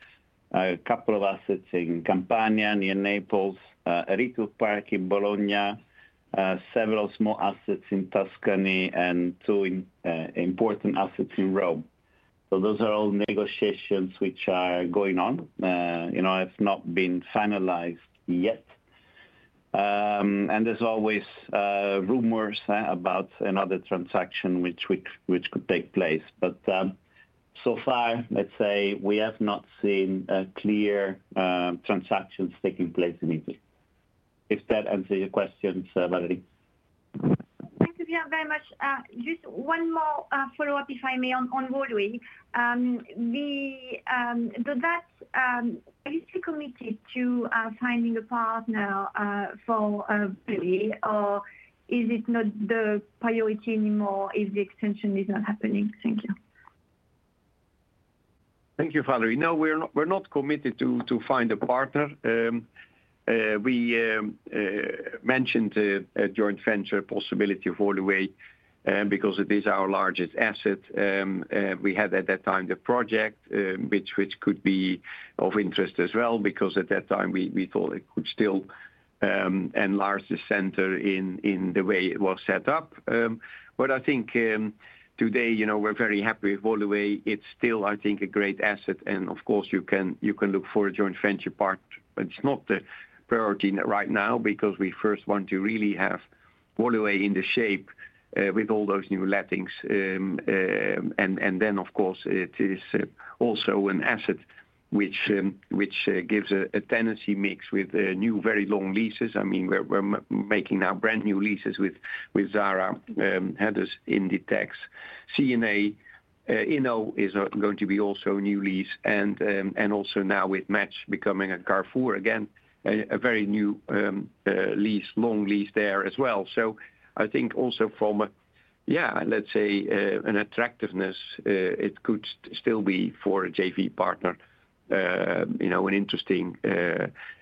a couple of assets in Campania, near Naples, a retail park in Bologna, several small assets in Tuscany, and two in, important assets in Rome. So those are all negotiations which are going on. You know, it's not been finalized yet. And there's always, rumors, about another transaction which could take place. But, so far, let's say, we have not seen clear transactions taking place in Italy. If that answer your questions, Valérie. Thank you, Peter, very much. Just one more follow-up, if I may, on Valbo. Are you still committed to finding a partner for Valbo, or is it not the priority anymore if the extension is not happening? Thank you. Thank you, Valérie. No, we're not committed to find a partner. We mentioned a joint venture possibility of Woluwe, because it is our largest asset. We had, at that time, the project, which could be of interest as well, because at that time, we thought it could still enlarge the center in the way it was set up. But I think, today, you know, we're very happy with Woluwe. It's still, I think, a great asset, and of course, you can look for a joint venture part. But it's not the priority right now, because we first want to really have Woluwe in the shape with all those new lettings. And then, of course, it is also an asset which gives a tenancy mix with new, very long leases. I mean, we're making now brand-new leases with Zara, H&M, Inditex, C&A. You know, is going to be also a new lease and also now with Match becoming a Carrefour, again, a very new lease, long lease there as well. So I think also from a, yeah, let's say, an attractiveness, it could still be for a JV partner, you know, an interesting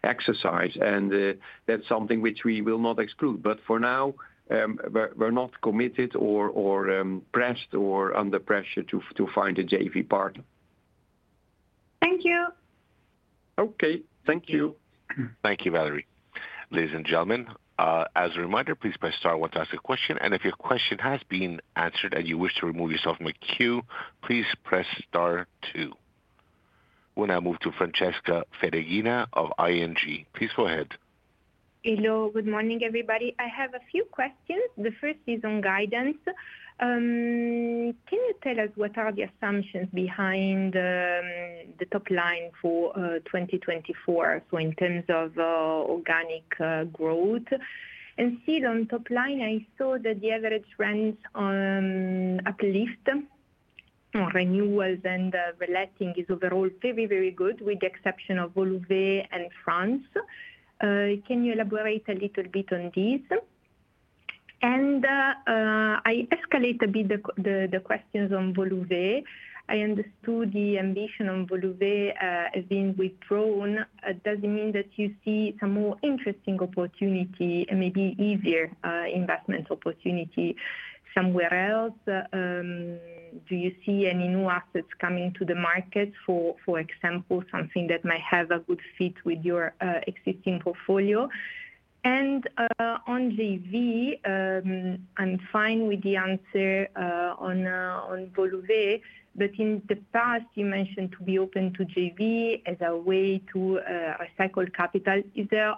exercise, and that's something which we will not exclude. But for now, we're not committed or pressed or under pressure to find a JV partner. Thank you. Okay. Thank you. Thank you, Valérie. Ladies and gentlemen, as a reminder, please press star one to ask a question, and if your question has been answered and you wish to remove yourself from a queue, please press star two. We'll now move to Francesca Ferragina of ING. Please go ahead. Hello, good morning, everybody. I have a few questions. The first is on guidance. Can you tell us what are the assumptions behind the top line for 2024, so in terms of organic growth? And still on top line, I saw that the average rents on uplift, renewals and the letting is overall very, very good, with the exception of Woluwe and France. Can you elaborate a little bit on this? And I escalate a bit the questions on Woluwe. I understood the ambition on Woluwe has been withdrawn. Does it mean that you see some more interesting opportunity and maybe easier investment opportunity somewhere else? Do you see any new assets coming to the market, for example, something that might have a good fit with your existing portfolio? On JV, I'm fine with the answer on Woluwe, but in the past, you mentioned to be open to JV as a way to recycle capital. Is there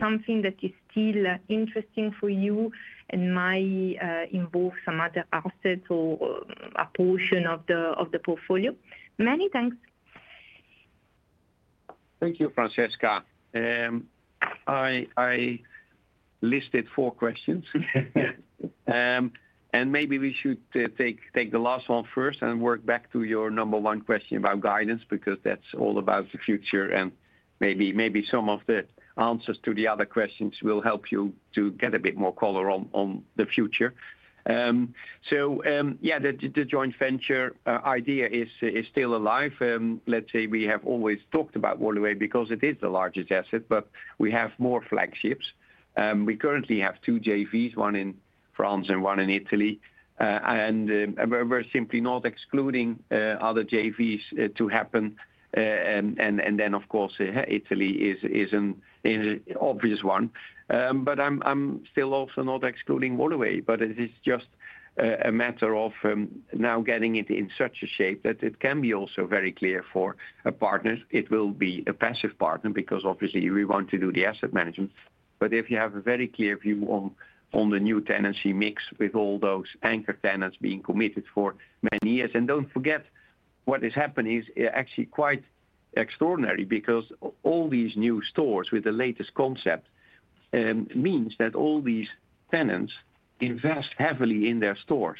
something that is still interesting for you and might involve some other assets or a portion of the portfolio? Many thanks. Thank you, Francesca. I listed four questions. And maybe we should take the last one first and work back to your number one question about guidance, because that's all about the future, and maybe some of the answers to the other questions will help you to get a bit more color on the future. So, yeah, the joint venture idea is still alive. Let's say we have always talked about Woluwe because it is the largest asset, but we have more flagships. We currently have two JVs, one in France and one in Italy, and we're simply not excluding other JVs to happen. And then, of course, Italy is an obvious one. But I'm still also not excluding Woluwe, But it is just a matter of now getting it in such a shape that it can be also very clear for a partner. It will be a passive partner, because obviously we want to do the asset management. But if you have a very clear view on the new tenancy mix with all those anchor tenants being committed for many years. And don't forget, what is happening is, actually quite extraordinary, because all these new stores with the latest concept means that all these tenants invest heavily in their stores,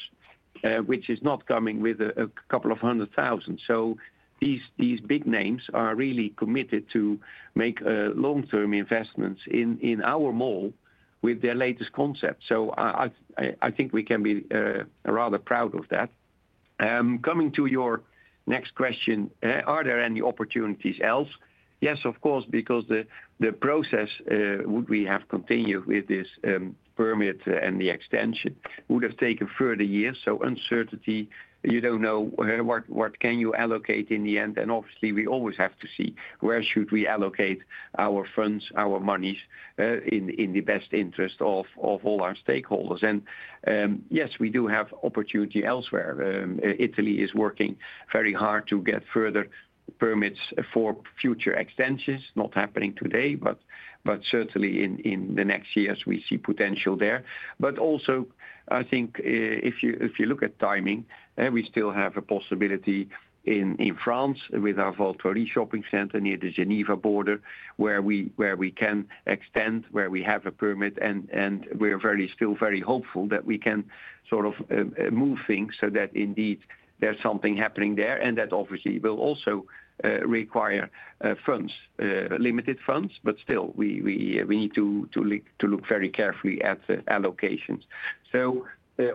which is not coming with a couple of hundred thousand. So these big names are really committed to make long-term investments in our mall with their latest concept. So I think we can be rather proud of that. Coming to your next question, are there any opportunities else? Yes, of course, because the process would we have continued with this permit, and the extension would have taken further years, so uncertainty, you don't know what can you allocate in the end? And obviously, we always have to see where should we allocate our funds, our monies in the best interest of all our stakeholders. And yes, we do have opportunity elsewhere. Italy is working very hard to get further permits for future extensions. Not happening today, but certainly in the next years, we see potential there. But also, I think, if you look at timing, we still have a possibility in France with our Val Thoiry Shopping Center near the Geneva border, where we can extend, where we have a permit, and we're very. Still very hopeful that we can sort of move things so that indeed there's something happening there. And that obviously will also require funds, limited funds, but still, we need to look very carefully at the allocations. So,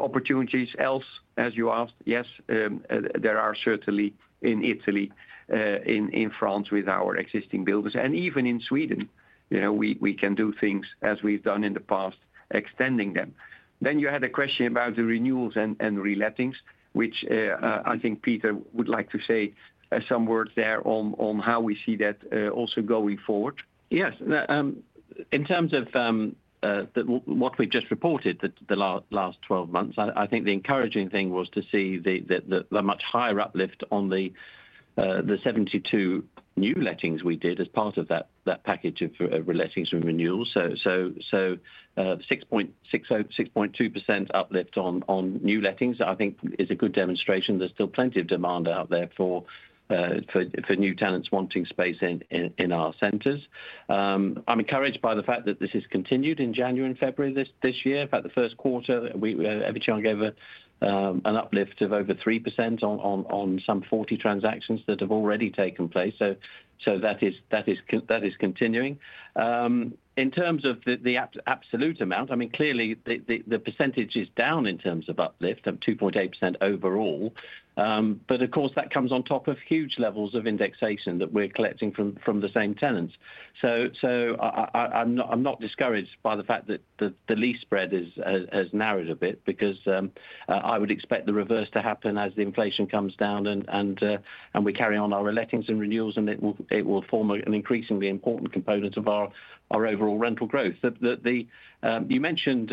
opportunities elsewhere, as you asked, yes, there are certainly in Italy, in France with our existing buildings, and even in Sweden, you know, we can do things as we've done in the past, extending them. Then you had a question about the renewals and relettings, which I think Peter would like to say some words there on, on how we see that also going forward. Yes. In terms of what we've just reported the last 12 months, I think the encouraging thing was to see the much higher uplift on the 72 new lettings we did as part of that package of relettings and renewals. So, 6.2% uplift on new lettings, I think is a good demonstration there's still plenty of demand out there for new tenants wanting space in our centers. I'm encouraged by the fact that this has continued in January and February this year. About the first quarter, we have shown gave an uplift of over 3% on some 40 transactions that have already taken place, so that is continuing. In terms of the absolute amount, I mean, clearly, the percentage is down in terms of uplift of 2.8% overall. But of course, that comes on top of huge levels of indexation that we're collecting from the same tenants. So, I, I'm not discouraged by the fact that the lease spread has narrowed a bit, because I would expect the reverse to happen as the inflation comes down and we carry on our relettings and renewals, and it will form an increasingly important component of our overall rental growth. The, you mentioned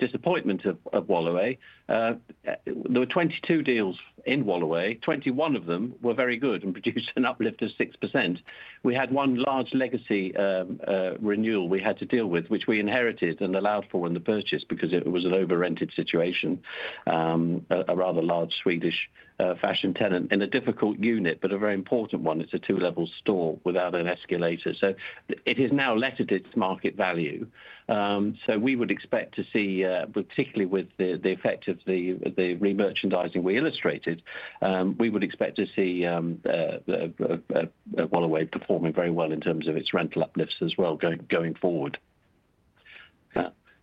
disappointment of Woluwe. There were 22 deals in Woluwe. 21 of them were very good and produced an uplift of 6%. We had one large legacy renewal we had to deal with, which we inherited and allowed for in the purchase because it was an overrented situation, a rather large Swedish fashion tenant in a difficult unit, but a very important one. It's a two-level store without an escalator, so it is now let at its market value. So we would expect to see, particularly with the effect of the remerchandising we illustrated, we would expect to see Woluwe performing very well in terms of its rental uplifts as well going forward.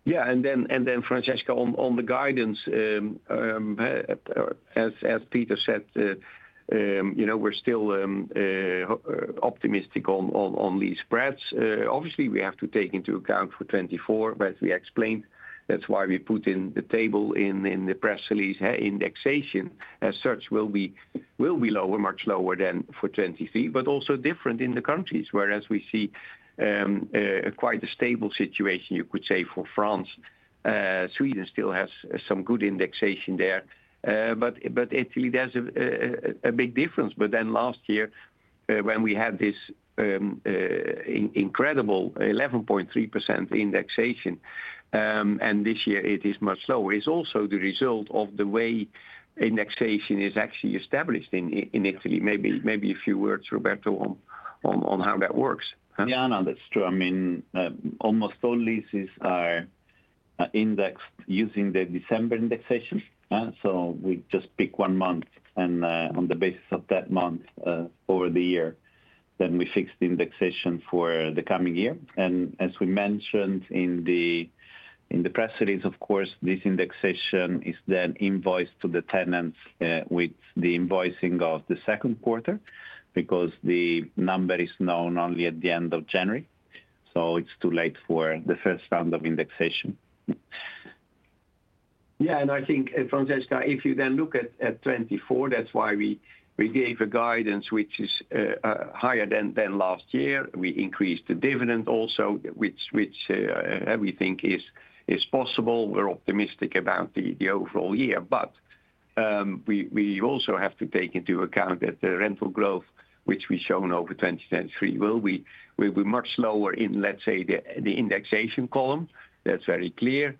Yeah, and then, Francesca, on the guidance, as Peter said, you know, we're still optimistic on these spreads. Obviously, we have to take into account for 2024, but we explained that's why we put in the table in the press release, indexation as such will be lower, much lower than for 2023, but also different in the countries. Whereas we see quite a stable situation, you could say, for France, Sweden still has some good indexation there. But Italy, there's a big difference. But then last year, when we had this incredible 11.3% indexation, and this year it is much lower, it's also the result of the way indexation is actually established in Italy. Maybe a few words, Roberto, on how that works. Yeah, no, that's true. I mean, almost all leases are indexed using the December indexation, so we just pick one month, and, on the basis of that month, over the year, then we fix the indexation for the coming year. And as we mentioned in the press release, of course, this indexation is then invoiced to the tenants, with the invoicing of the second quarter, because the number is known only at the end of January, so it's too late for the first round of indexation. Yeah, and I think, Francesca, if you then look at 2024, that's why we gave a guidance which is higher than last year. We increased the dividend also, which we think is possible. We're optimistic about the overall year. But we also have to take into account that the rental growth, which we've shown over 2023, will be much lower in, let's say, the indexation column. That's very clear.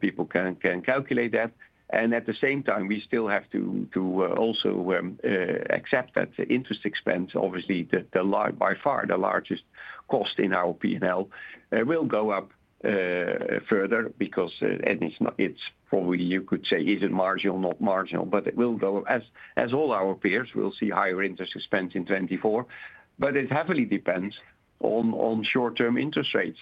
People can calculate that. And at the same time, we still have to also accept that the interest expense, obviously, the lion's share by far the largest cost in our P&L, will go up further because, and it's not. It's probably you could say, is it marginal, not marginal, but it will go. As all our peers, we'll see higher interest expense in 2024, but it heavily depends on short-term interest rates.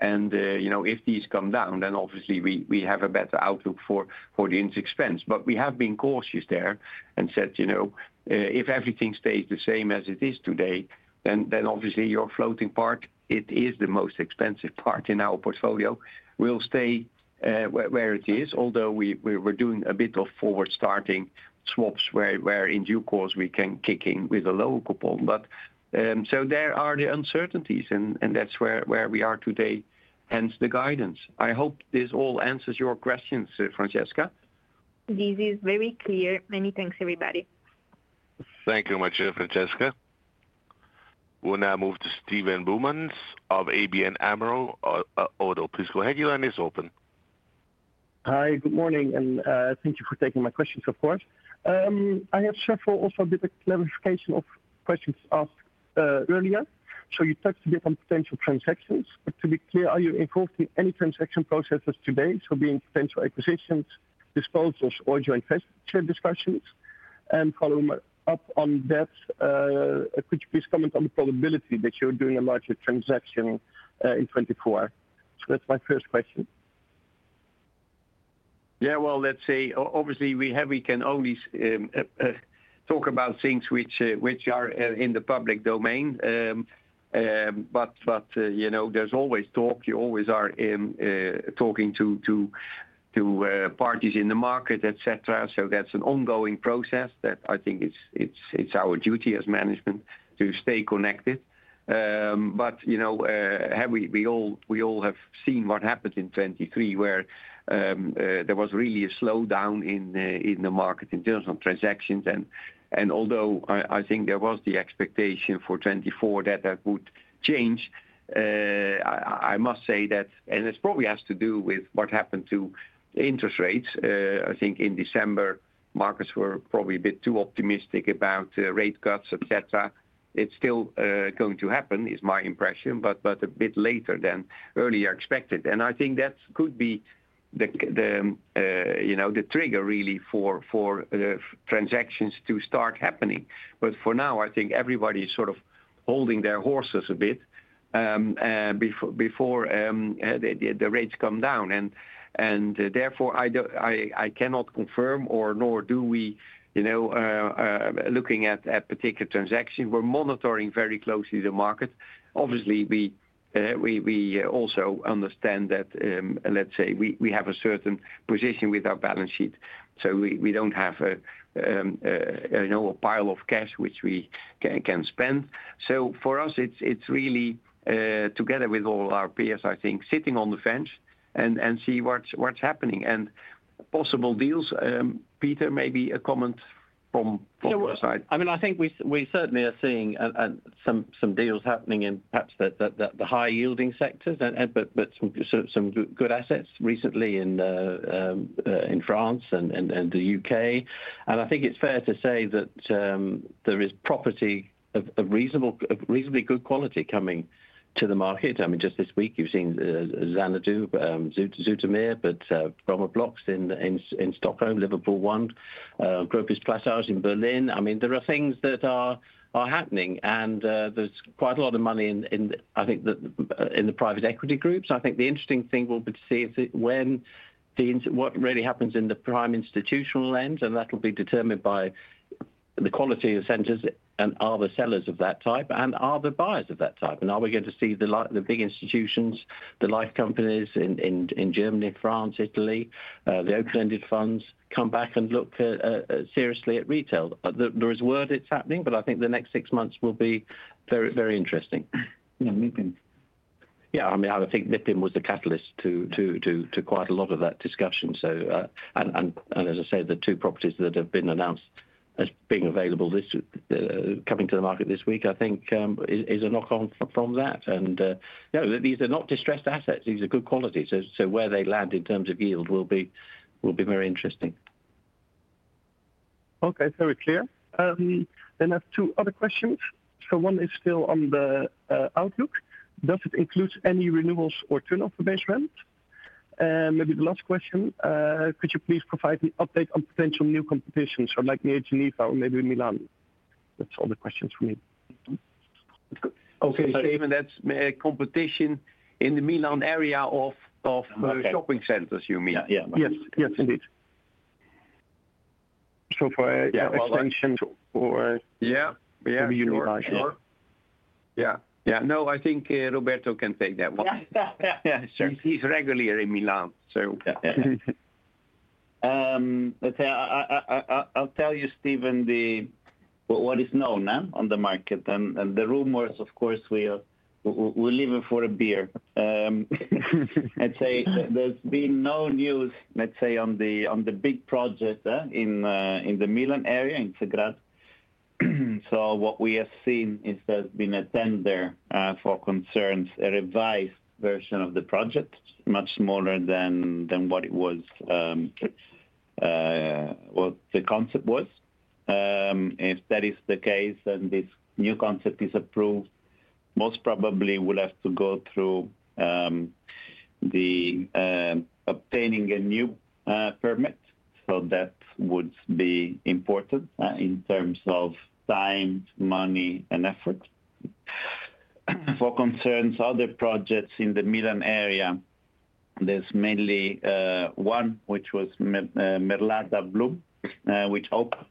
And you know, if these come down, then obviously we have a better outlook for the interest expense. But we have been cautious there and said, you know, if everything stays the same as it is today, then obviously your floating part, it is the most expensive part in our portfolio, will stay where it is. Although we're doing a bit of forward-starting swaps, where in due course, we can kick in with a lower coupon. But so there are the uncertainties and that's where we are today, hence the guidance. I hope this all answers your questions, Francesca. This is very clear. Many thanks, everybody. Thank you much, Francesca. We'll now move to Steven Boumans of ABN AMRO. Please go ahead, your line is open. Hi, good morning, and thank you for taking my questions, of course. I have several also bit of clarification of questions asked earlier. So you touched a bit on potential transactions, but to be clear, are you involved in any transaction processes today, so be in potential acquisitions, disposals, or joint venture discussions? And following up on that, could you please comment on the probability that you're doing a larger transaction in 2024? So that's my first question. Yeah, well, let's see. Obviously, we have... we can only talk about things which are in the public domain. But you know, there's always talk. You always are talking to parties in the market, et cetera. So that's an ongoing process that I think it's our duty as management to stay connected. But you know, we all have seen what happened in 2023, where there was really a slowdown in the market in terms of transactions. And although I think there was the expectation for 2024 that that would change, I must say that, and this probably has to do with what happened to interest rates. I think in December, markets were probably a bit too optimistic about rate cuts, et cetera. It's still going to happen, is my impression, but a bit later than earlier expected. And I think that could be the you know, the trigger really for transactions to start happening. But for now, I think everybody is sort of holding their horses a bit before the rates come down. And therefore, I don't. I cannot confirm nor do we, you know, looking at a particular transaction. We're monitoring very closely the market. Obviously, we also understand that, let's say we have a certain position with our balance sheet, so we don't have a you know, a pile of cash, which we can spend. So for us, it's really, together with all our peers, I think, sitting on the fence and see what's happening. And possible deals, Peter, maybe a comment from your side. Yeah, well, I mean, I think we certainly are seeing some deals happening in perhaps the high-yielding sectors and, but some good assets recently in France and the UK. And I think it's fair to say that there is property of reasonable, of reasonably good quality coming to the market. I mean, just this week, you've seen Xanadú, Zoetermeer, but Bromma Blocks in Stockholm, Liverpool ONE, Gropius Passagen in Berlin. I mean, there are things that are happening, and there's quite a lot of money in, I think, the private equity groups. I think the interesting thing will be to see is it when the in... What really happens in the prime institutional lens, and that will be determined by the quality of centers, and are the sellers of that type, and are the buyers of that type? And are we going to see the big institutions, the life companies in Germany, France, Italy, the open-ended funds, come back and look seriously at retail? There is word it's happening, but I think the next six months will be very, very interesting. Yeah, MIPIM. Yeah, I mean, I would think MIPIM was the catalyst to quite a lot of that discussion, so, and as I said, the two properties that have been announced as being available this coming to the market this week, I think, is a knock on from that. And, you know, these are not distressed assets. These are good quality. So, where they land in terms of yield will be very interesting. Okay, very clear. Then I have two other questions. So one is still on the outlook. Does it include any renewals or turnover-based rent? And maybe the last question, could you please provide an update on potential new competitions, so like near Geneva or maybe Milan? That's all the questions from me. Okay, so even that's competition in the Milan area of, Okay, Shopping centers, you mean? Yeah, yeah. Yes. Yes, indeed. So for extension or Yeah. Maybe more. Sure. Yeah, yeah. No, I think, Roberto can take that one. Yeah, sure. He's regularly in Milan, so. Let's say, I'll tell you, Steven, the But what is known on the market, and the rumors, of course, we leave it for a beer. I'd say there's been no news, let's say, on the big project in the Milan area, in Segrate. So what we have seen is there's been a tender regarding a revised version of the project, much smaller than what it was, what the concept was. If that is the case and this new concept is approved, most probably will have to go through obtaining a new permit, so that would be important in terms of time, money, and effort. Regarding other projects in the Milan area, there's mainly one, which was Merlata Bloom, which opened.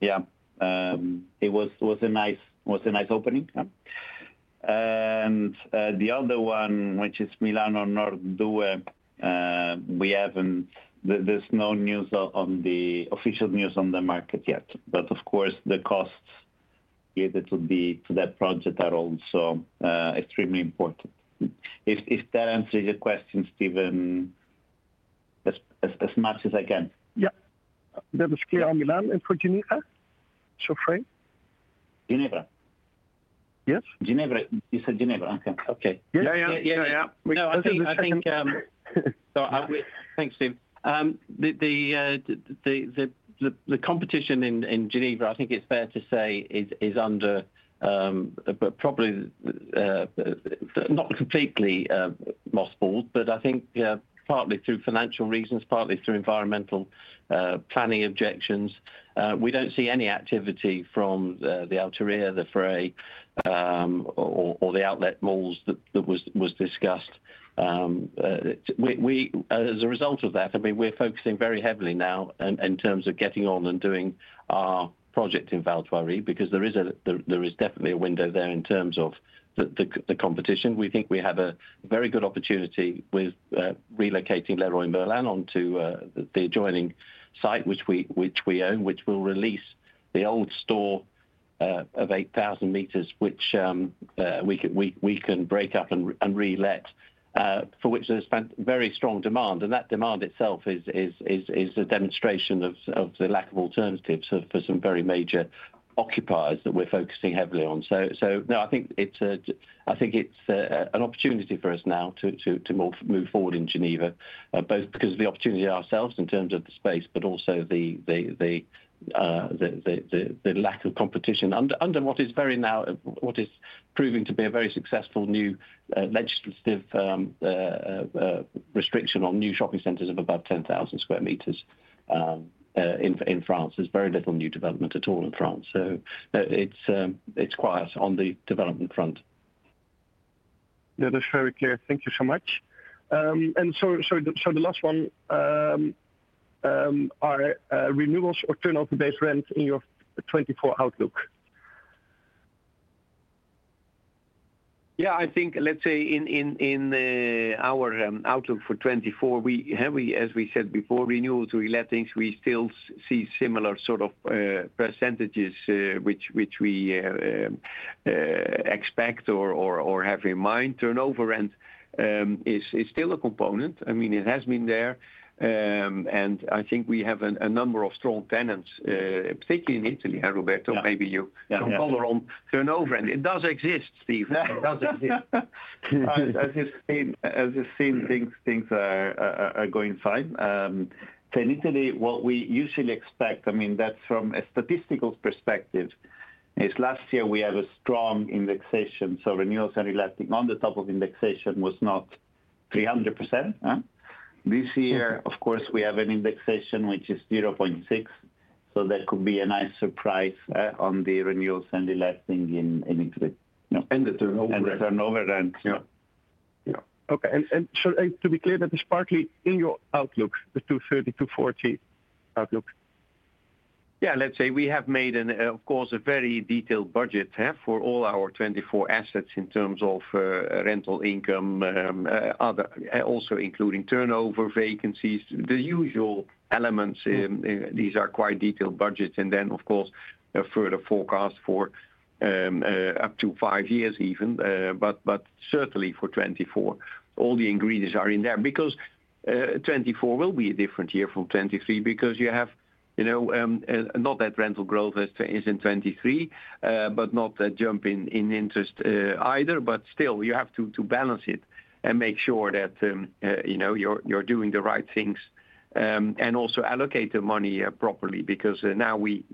Yeah, it was a nice opening, yeah. The other one, which is Milanord2, there's no official news on the market yet, but of course, the costs related to that project are also extremely important. If that answers your question, Steven, as much as I can. Yeah. That was clear on Milan. For Geneva, so free? Geneva? Yes. Geneva, you said Geneva? Okay, okay. Yeah, yeah. Yeah, yeah. No, I think, so I. Thanks, Steven. The competition in Geneva, I think it's fair to say is under, but probably not completely mothballed, but I think, yeah, partly through financial reasons, partly through environmental planning objections. We don't see any activity from the Altarea, the Frey, or the outlet malls that was discussed. As a result of that, I mean, we're focusing very heavily now in terms of getting on and doing our project in Val Thoiry, because there is definitely a window there in terms of the competition. We think we have a very good opportunity with relocating Leroy Merlin onto the adjoining site, which we own, which will release the old store of 8,000 meters, which we can break up and relet, for which there's been very strong demand, and that demand itself is a demonstration of the lack of alternatives for some very major occupiers that we're focusing heavily on. So, no, I think it's an opportunity for us now to move forward in Geneva, both because of the opportunity ourselves in terms of the space, but also the lack of competition under what is proving to be a very successful new legislative restriction on new shopping centers above 10,000 square meters in France. There's very little new development at all in France. So it's quiet on the development front. Yeah, that's very clear. Thank you so much. And so the last one, are renewals or turnover-based rent in your 2024 outlook? Yeah, I think, let's say, in our outlook for 2024, we have, as we said before, renewals, relettings. We still see similar sort of percentages, which we expect or have in mind. Turnover rent is still a component. I mean, it has been there, and I think we have a number of strong tenants, particularly in Italy. Roberto- Yeah. Maybe you. Yeah. Can call on turnover, and it does exist, Steve. It does exist. As you've seen, things are going fine. In Italy, what we usually expect, I mean, that's from a statistical perspective, is last year we had a strong indexation, so renewals and reletting on the top of indexation was not 300%, uh? This year, Okay Of course, we have an indexation, which is 0.6, so that could be a nice surprise on the renewals and the reletting in Italy, you know? The turnover rent. The turnover rent. Yeah. Yeah. Okay, so to be clear, that is partly in your outlook, the 230-240 outlook? Yeah, let's say we have made an, of course, a very detailed budget, for all our 24 assets in terms of, rental income, other, also including turnover, vacancies, the usual elements in... These are quite detailed budgets. And then, of course, a further forecast for, up to 5 years even, but, but certainly for 2024. All the ingredients are in there because, 2024 will be a different year from 2023 because you have, you know, not that rental growth as is in 2023, but not that jump in, in interest, either. But still, you have to to balance it and make sure that, you know, you're doing the right things, and also allocate the money properly, because now we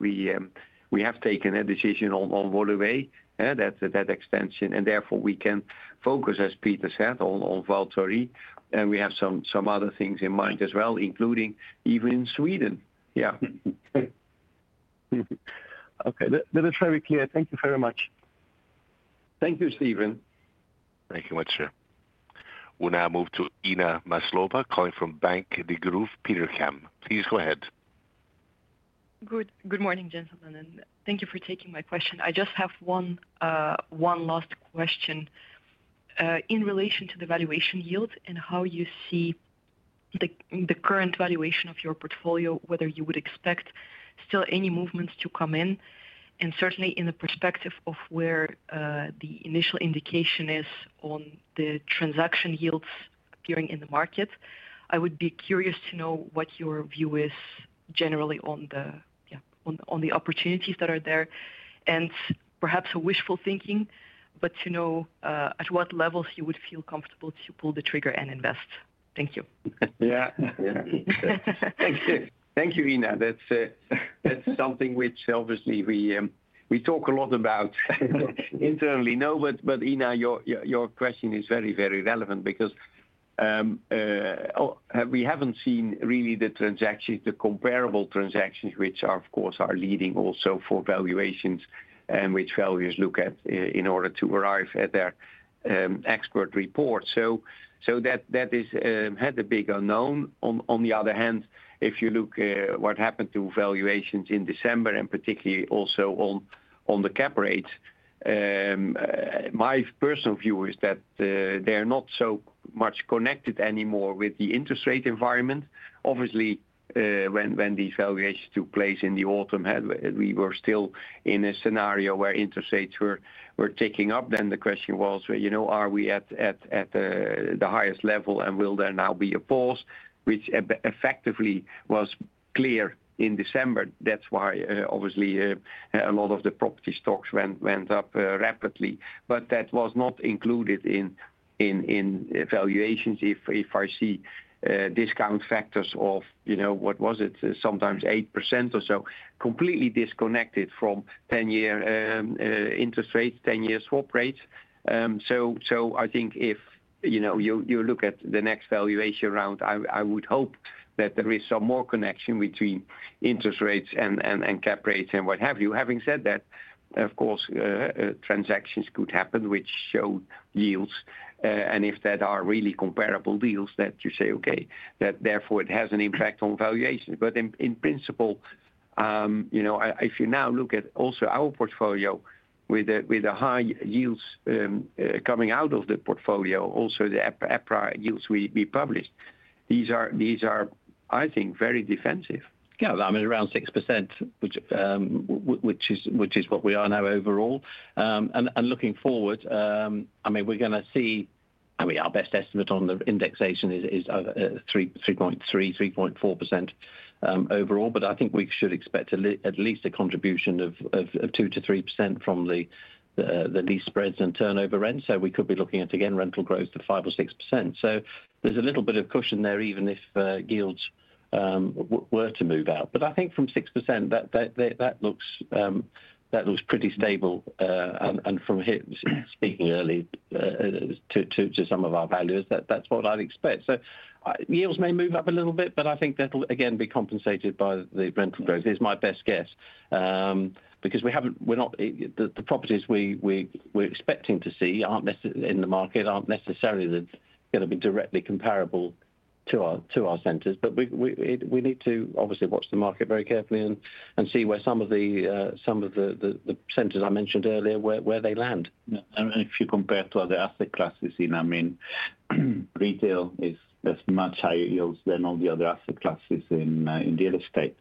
have taken a decision on Woluwe, that's a debt extension, and therefore we can focus, as Peter said, on Val Thoiry, and we have some other things in mind as well, including even in Sweden. Yeah. Okay, that is very clear. Thank you very much. Thank you, Steven. Thank you much, sir. We'll now move to Inna Maslova, calling from Bank Degroof Petercam. Please go ahead. Good, good morning, gentlemen, and thank you for taking my question. I just have one, one last question. In relation to the valuation yield and how you see the current valuation of your portfolio, whether you would expect still any movements to come in, and certainly in the perspective of where the initial indication is on the transaction yields appearing in the market. I would be curious to know what your view is generally on the, yeah, on the opportunities that are there, and perhaps a wishful thinking, but to know at what levels you would feel comfortable to pull the trigger and invest. Thank you. Yeah. Yeah. Thank you. Thank you, Inna. That's something which obviously we talk a lot about internally. No, but, Inna, your question is very relevant because we haven't seen really the transactions, the comparable transactions, which are, of course, leading also for valuations, and which valuers look at in order to arrive at their expert report. So that is had a big unknown. On the other hand, if you look at what happened to valuations in December, and particularly also on the cap rates, my personal view is that they're not so much connected anymore with the interest rate environment. Obviously, when these valuations took place in the autumn, had we were still in a scenario where interest rates were ticking up, then the question was, well, you know, are we at the highest level, and will there now be a pause, which effectively was clear in December? That's why, obviously, a lot of the property stocks went up rapidly. But that was not included in valuations. If I see discount factors of, you know, what was it? Sometimes 8% or so, completely disconnected from ten-year interest rates, ten-year swap rates. So I think if you look at the next valuation round, I would hope that there is some more connection between interest rates and cap rates and what have you. Having said that, of course, transactions could happen which show yields, and if that are really comparable deals, that you say, okay, that therefore it has an impact on valuations. But in principle, you know, if you now look at also our portfolio with the high yields coming out of the portfolio, also the EPRA yields we published, these are, I think, very defensive. Yeah, I mean, around 6%, which is what we are now overall. And looking forward, I mean, we're gonna see. I mean, our best estimate on the indexation is 3.3-3.4% overall. But I think we should expect at least a contribution of 2%-3% from the lease spreads and turnover rent. So we could be looking at, again, rental growth of 5% or 6%. So there's a little bit of cushion there, even if yields were to move out. But I think from 6%, that looks pretty stable. And from here, speaking early to some of our valuers, that's what I'd expect. So, yields may move up a little bit, but I think that'll again be compensated by the rental growth, is my best guess. Because the properties we're expecting to see aren't necessarily in the market, aren't necessarily going to be directly comparable to our centers. But we need to obviously watch the market very carefully and see where some of the centers I mentioned earlier land. Yeah. And if you compare to other asset classes in, I mean, retail is much higher yields than all the other asset classes in the real estate.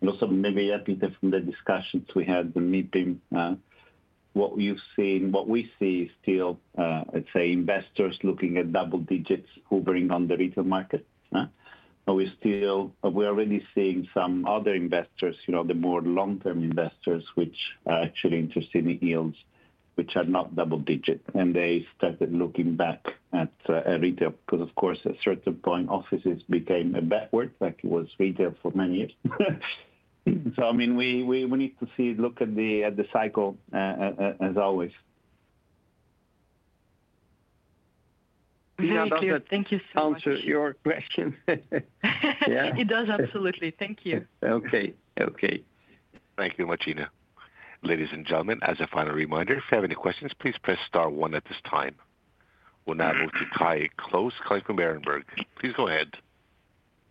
And also, maybe a bit from the discussions we had, the meeting, what you've seen, what we see still, let's say, investors looking at double digits hovering on the retail market? But we still but we're already seeing some other investors, you know, the more long-term investors, which are actually interested in yields, which are not double digit. And they started looking back at retail, because of course, at certain point, offices became a bad word, like it was retail for many years. So, I mean, we need to see, look at the cycle as always. Very clear. Thank you so much. Answer your question? Yeah. It does, absolutely. Thank you. Okay, okay. Thank you much, Inna. Ladies and gentlemen, as a final reminder, if you have any questions, please press star one at this time. We'll now move to Kai Klose, Berenberg. Please go ahead.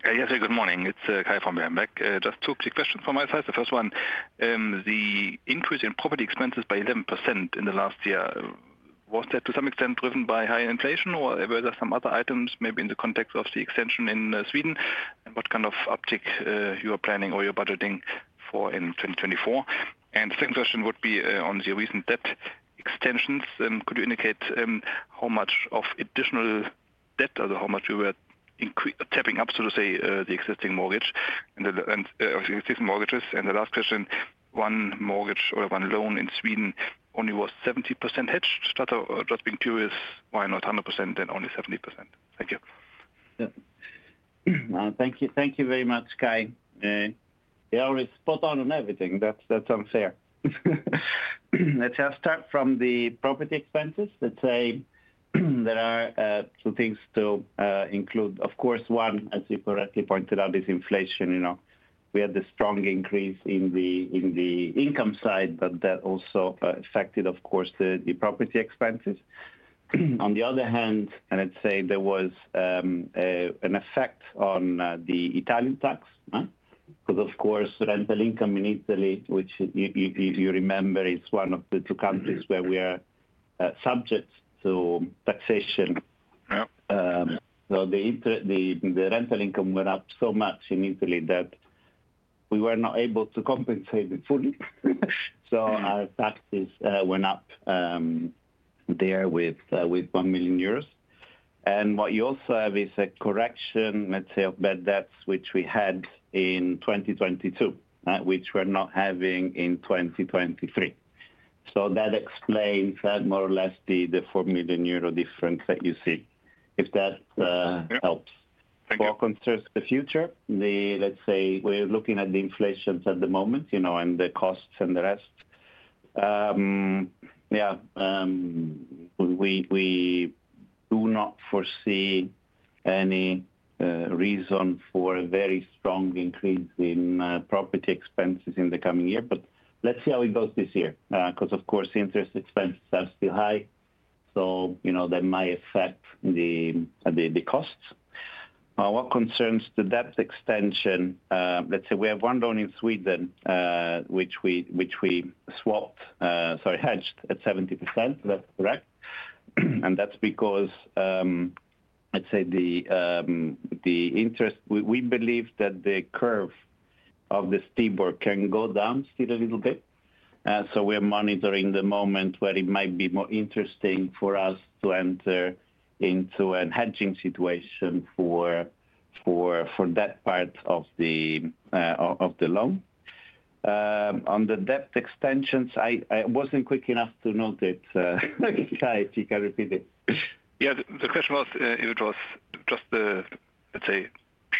Hey, yes, good morning. It's Kai from Berenberg. Just two quick questions from my side. The first one, the increase in property expenses by 11% in the last year, was that to some extent driven by high inflation, or were there some other items, maybe in the context of the extension in Sweden? And what kind of uptick you are planning or you're budgeting for in 2024? And the second question would be, on the recent debt extensions, could you indicate how much of additional debt or how much you were tapping up, so to say, the existing mortgage, and the, and existing mortgages? And the last question, one mortgage or one loan in Sweden only was 70% hedged. Just out of just being curious, why not 100% and only 70%? Thank you. Yeah. Thank you. Thank you very much, Kai. You're always spot on on everything. That's, that's unfair. Let's start from the property expenses. Let's say, there are two things to include. Of course, one, as you correctly pointed out, is inflation. You know, we had a strong increase in the income side, but that also affected, of course, the property expenses. On the other hand, and I'd say there was an effect on the Italian tax. Because, of course, rental income in Italy, which if you remember, is one of the two countries where we are subject to taxation. Yep. So the rental income went up so much in Italy that we were not able to compensate it fully. So our taxes went up there with 1 million euros. And what you also have is a correction, let's say, of bad debts, which we had in 2022, which we're not having in 2023. So that explains that more or less the 4 million euro difference that you see, if that helps. Yep. Thank you. What concerns the future, let's say, we're looking at the inflation at the moment, you know, and the costs and the rest. We do not foresee any reason for a very strong increase in property expenses in the coming year. But let's see how it goes this year, because, of course, the interest expenses are still high, so, you know, that might affect the costs. What concerns the debt extension, let's say we have one loan in Sweden, which we swapped, sorry, hedged at 70%. Is that correct? And that's because, let's say the interest. We believe that the curve of the STIBOR can go down still a little bit. So we're monitoring the moment where it might be more interesting for us to enter into a hedging situation for that part of the loan. On the debt extensions, I wasn't quick enough to note it. Kai, if you can repeat it. Yeah. The question was if it was just the, let's say,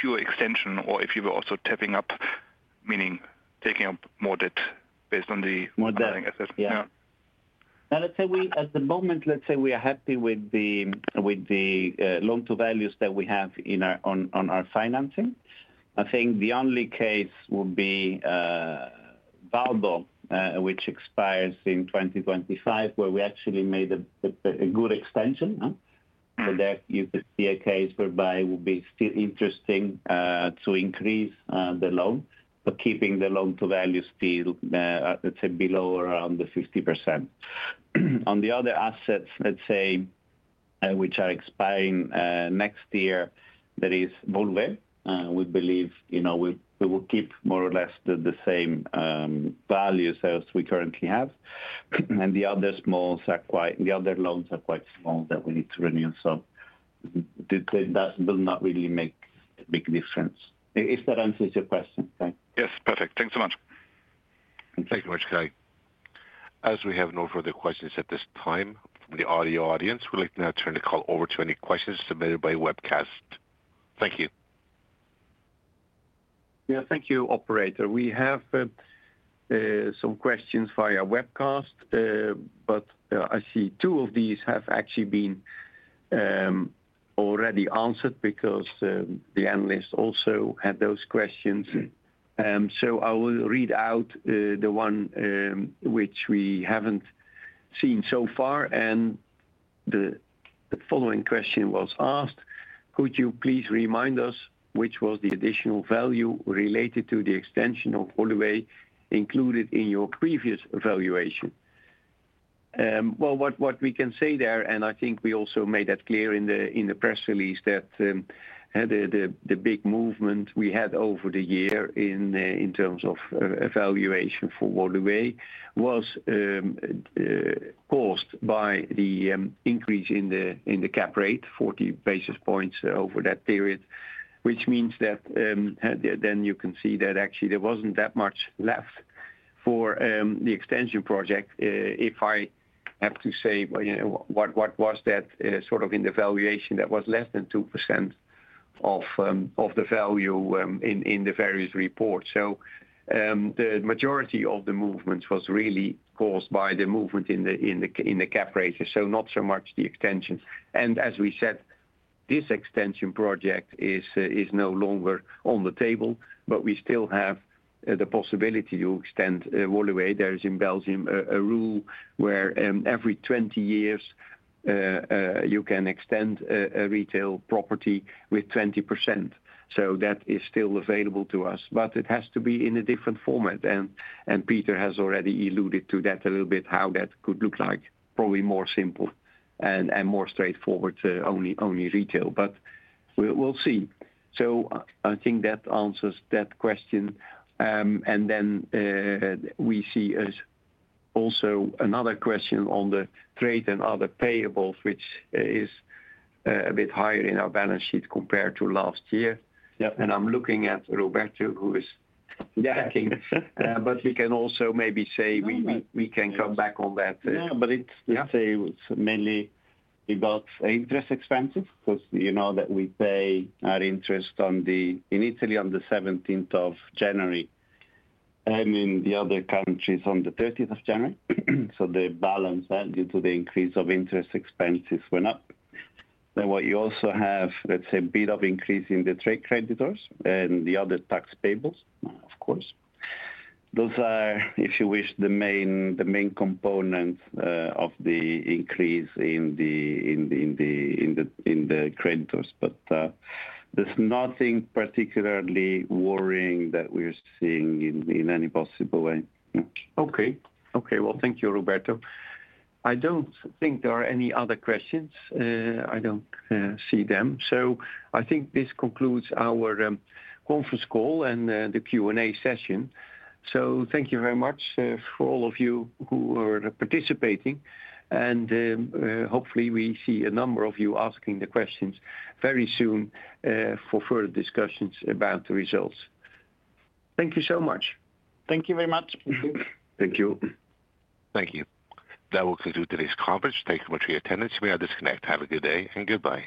pure extension, or if you were also tapping up, meaning taking up more debt based on the- More debt. Assessment. Yeah. Now, let's say we at the moment, let's say we are happy with the loan to values that we have on our financing. I think the only case would be Valbo, which expires in 2025, where we actually made a good extension, huh? Mm-hmm. So that you could see a case whereby it would be still interesting to increase the loan, but keeping the loan to value still, let's say, below or around the 50%. On the other assets, let's say, which are expiring next year, that is Woluwe. We believe, you know, we will keep more or less the same values as we currently have. And the other loans are quite small that we need to renew, so that does not really make a big difference. If that answers your question, Kai? Yes, perfect. Thanks so much. Thank you. Thank you very much, Kai. As we have no further questions at this time from the audio audience, we'd like to now turn the call over to any questions submitted by webcast. Thank you. Yeah, thank you, operator. We have some questions via webcast, but I see two of these have actually been already answered because the analyst also had those questions. So I will read out the one which we haven't seen so far, and the following question was asked: Could you please remind us, which was the additional value related to the extension of Woluwe included in your previous evaluation? Well, what we can say there, and I think we also made that clear in the press release, that the big movement we had over the year in terms of evaluation for Woluwe was caused by the increase in the cap rate, 40 basis points over that period. Which means that, then you can see that actually there wasn't that much left for the extension project. If I have to say, you know, what was that sort of in the valuation, that was less than 2% of the value in the various reports. So, the majority of the movement was really caused by the movement in the cap rates, so not so much the extension. And as we said, this extension project is no longer on the table, but we still have the possibility to extend Woluwe. There is in Belgium a rule where every 20 years you can extend a retail property with 20%, so that is still available to us, but it has to be in a different format. Peter has already alluded to that a little bit, how that could look like. Probably more simple and more straightforward to only retail, but we'll see. So I think that answers that question. And then we also see another question on the trade and other payables, which is a bit higher in our balance sheet compared to last year. Yep. I'm looking at Roberto, who is- Yeah. But he can also maybe say we can come back on that. Yeah, but it's Yeah. Let's say mainly about interest expenses, because you know that we pay our interest on the, in Italy on the seventeenth of January, in the other countries on the thirtieth of January. So the balance due to the increase of interest expenses went up. Then what you also have, let's say, a bit of increase in the trade creditors and the other tax payables, of course. Those are, if you wish, the main components of the increase in the creditors. But there's nothing particularly worrying that we're seeing in any possible way. Okay. Okay. Well, thank you, Roberto. I don't think there are any other questions. I don't see them. So I think this concludes our conference call and the Q&A session. So thank you very much for all of you who are participating, and hopefully, we see a number of you asking the questions very soon for further discussions about the results. Thank you so much. Thank you very much. Thank you. Thank you. That will conclude today's conference. Thank you much for your attendance. We are disconnected. Have a good day, and goodbye.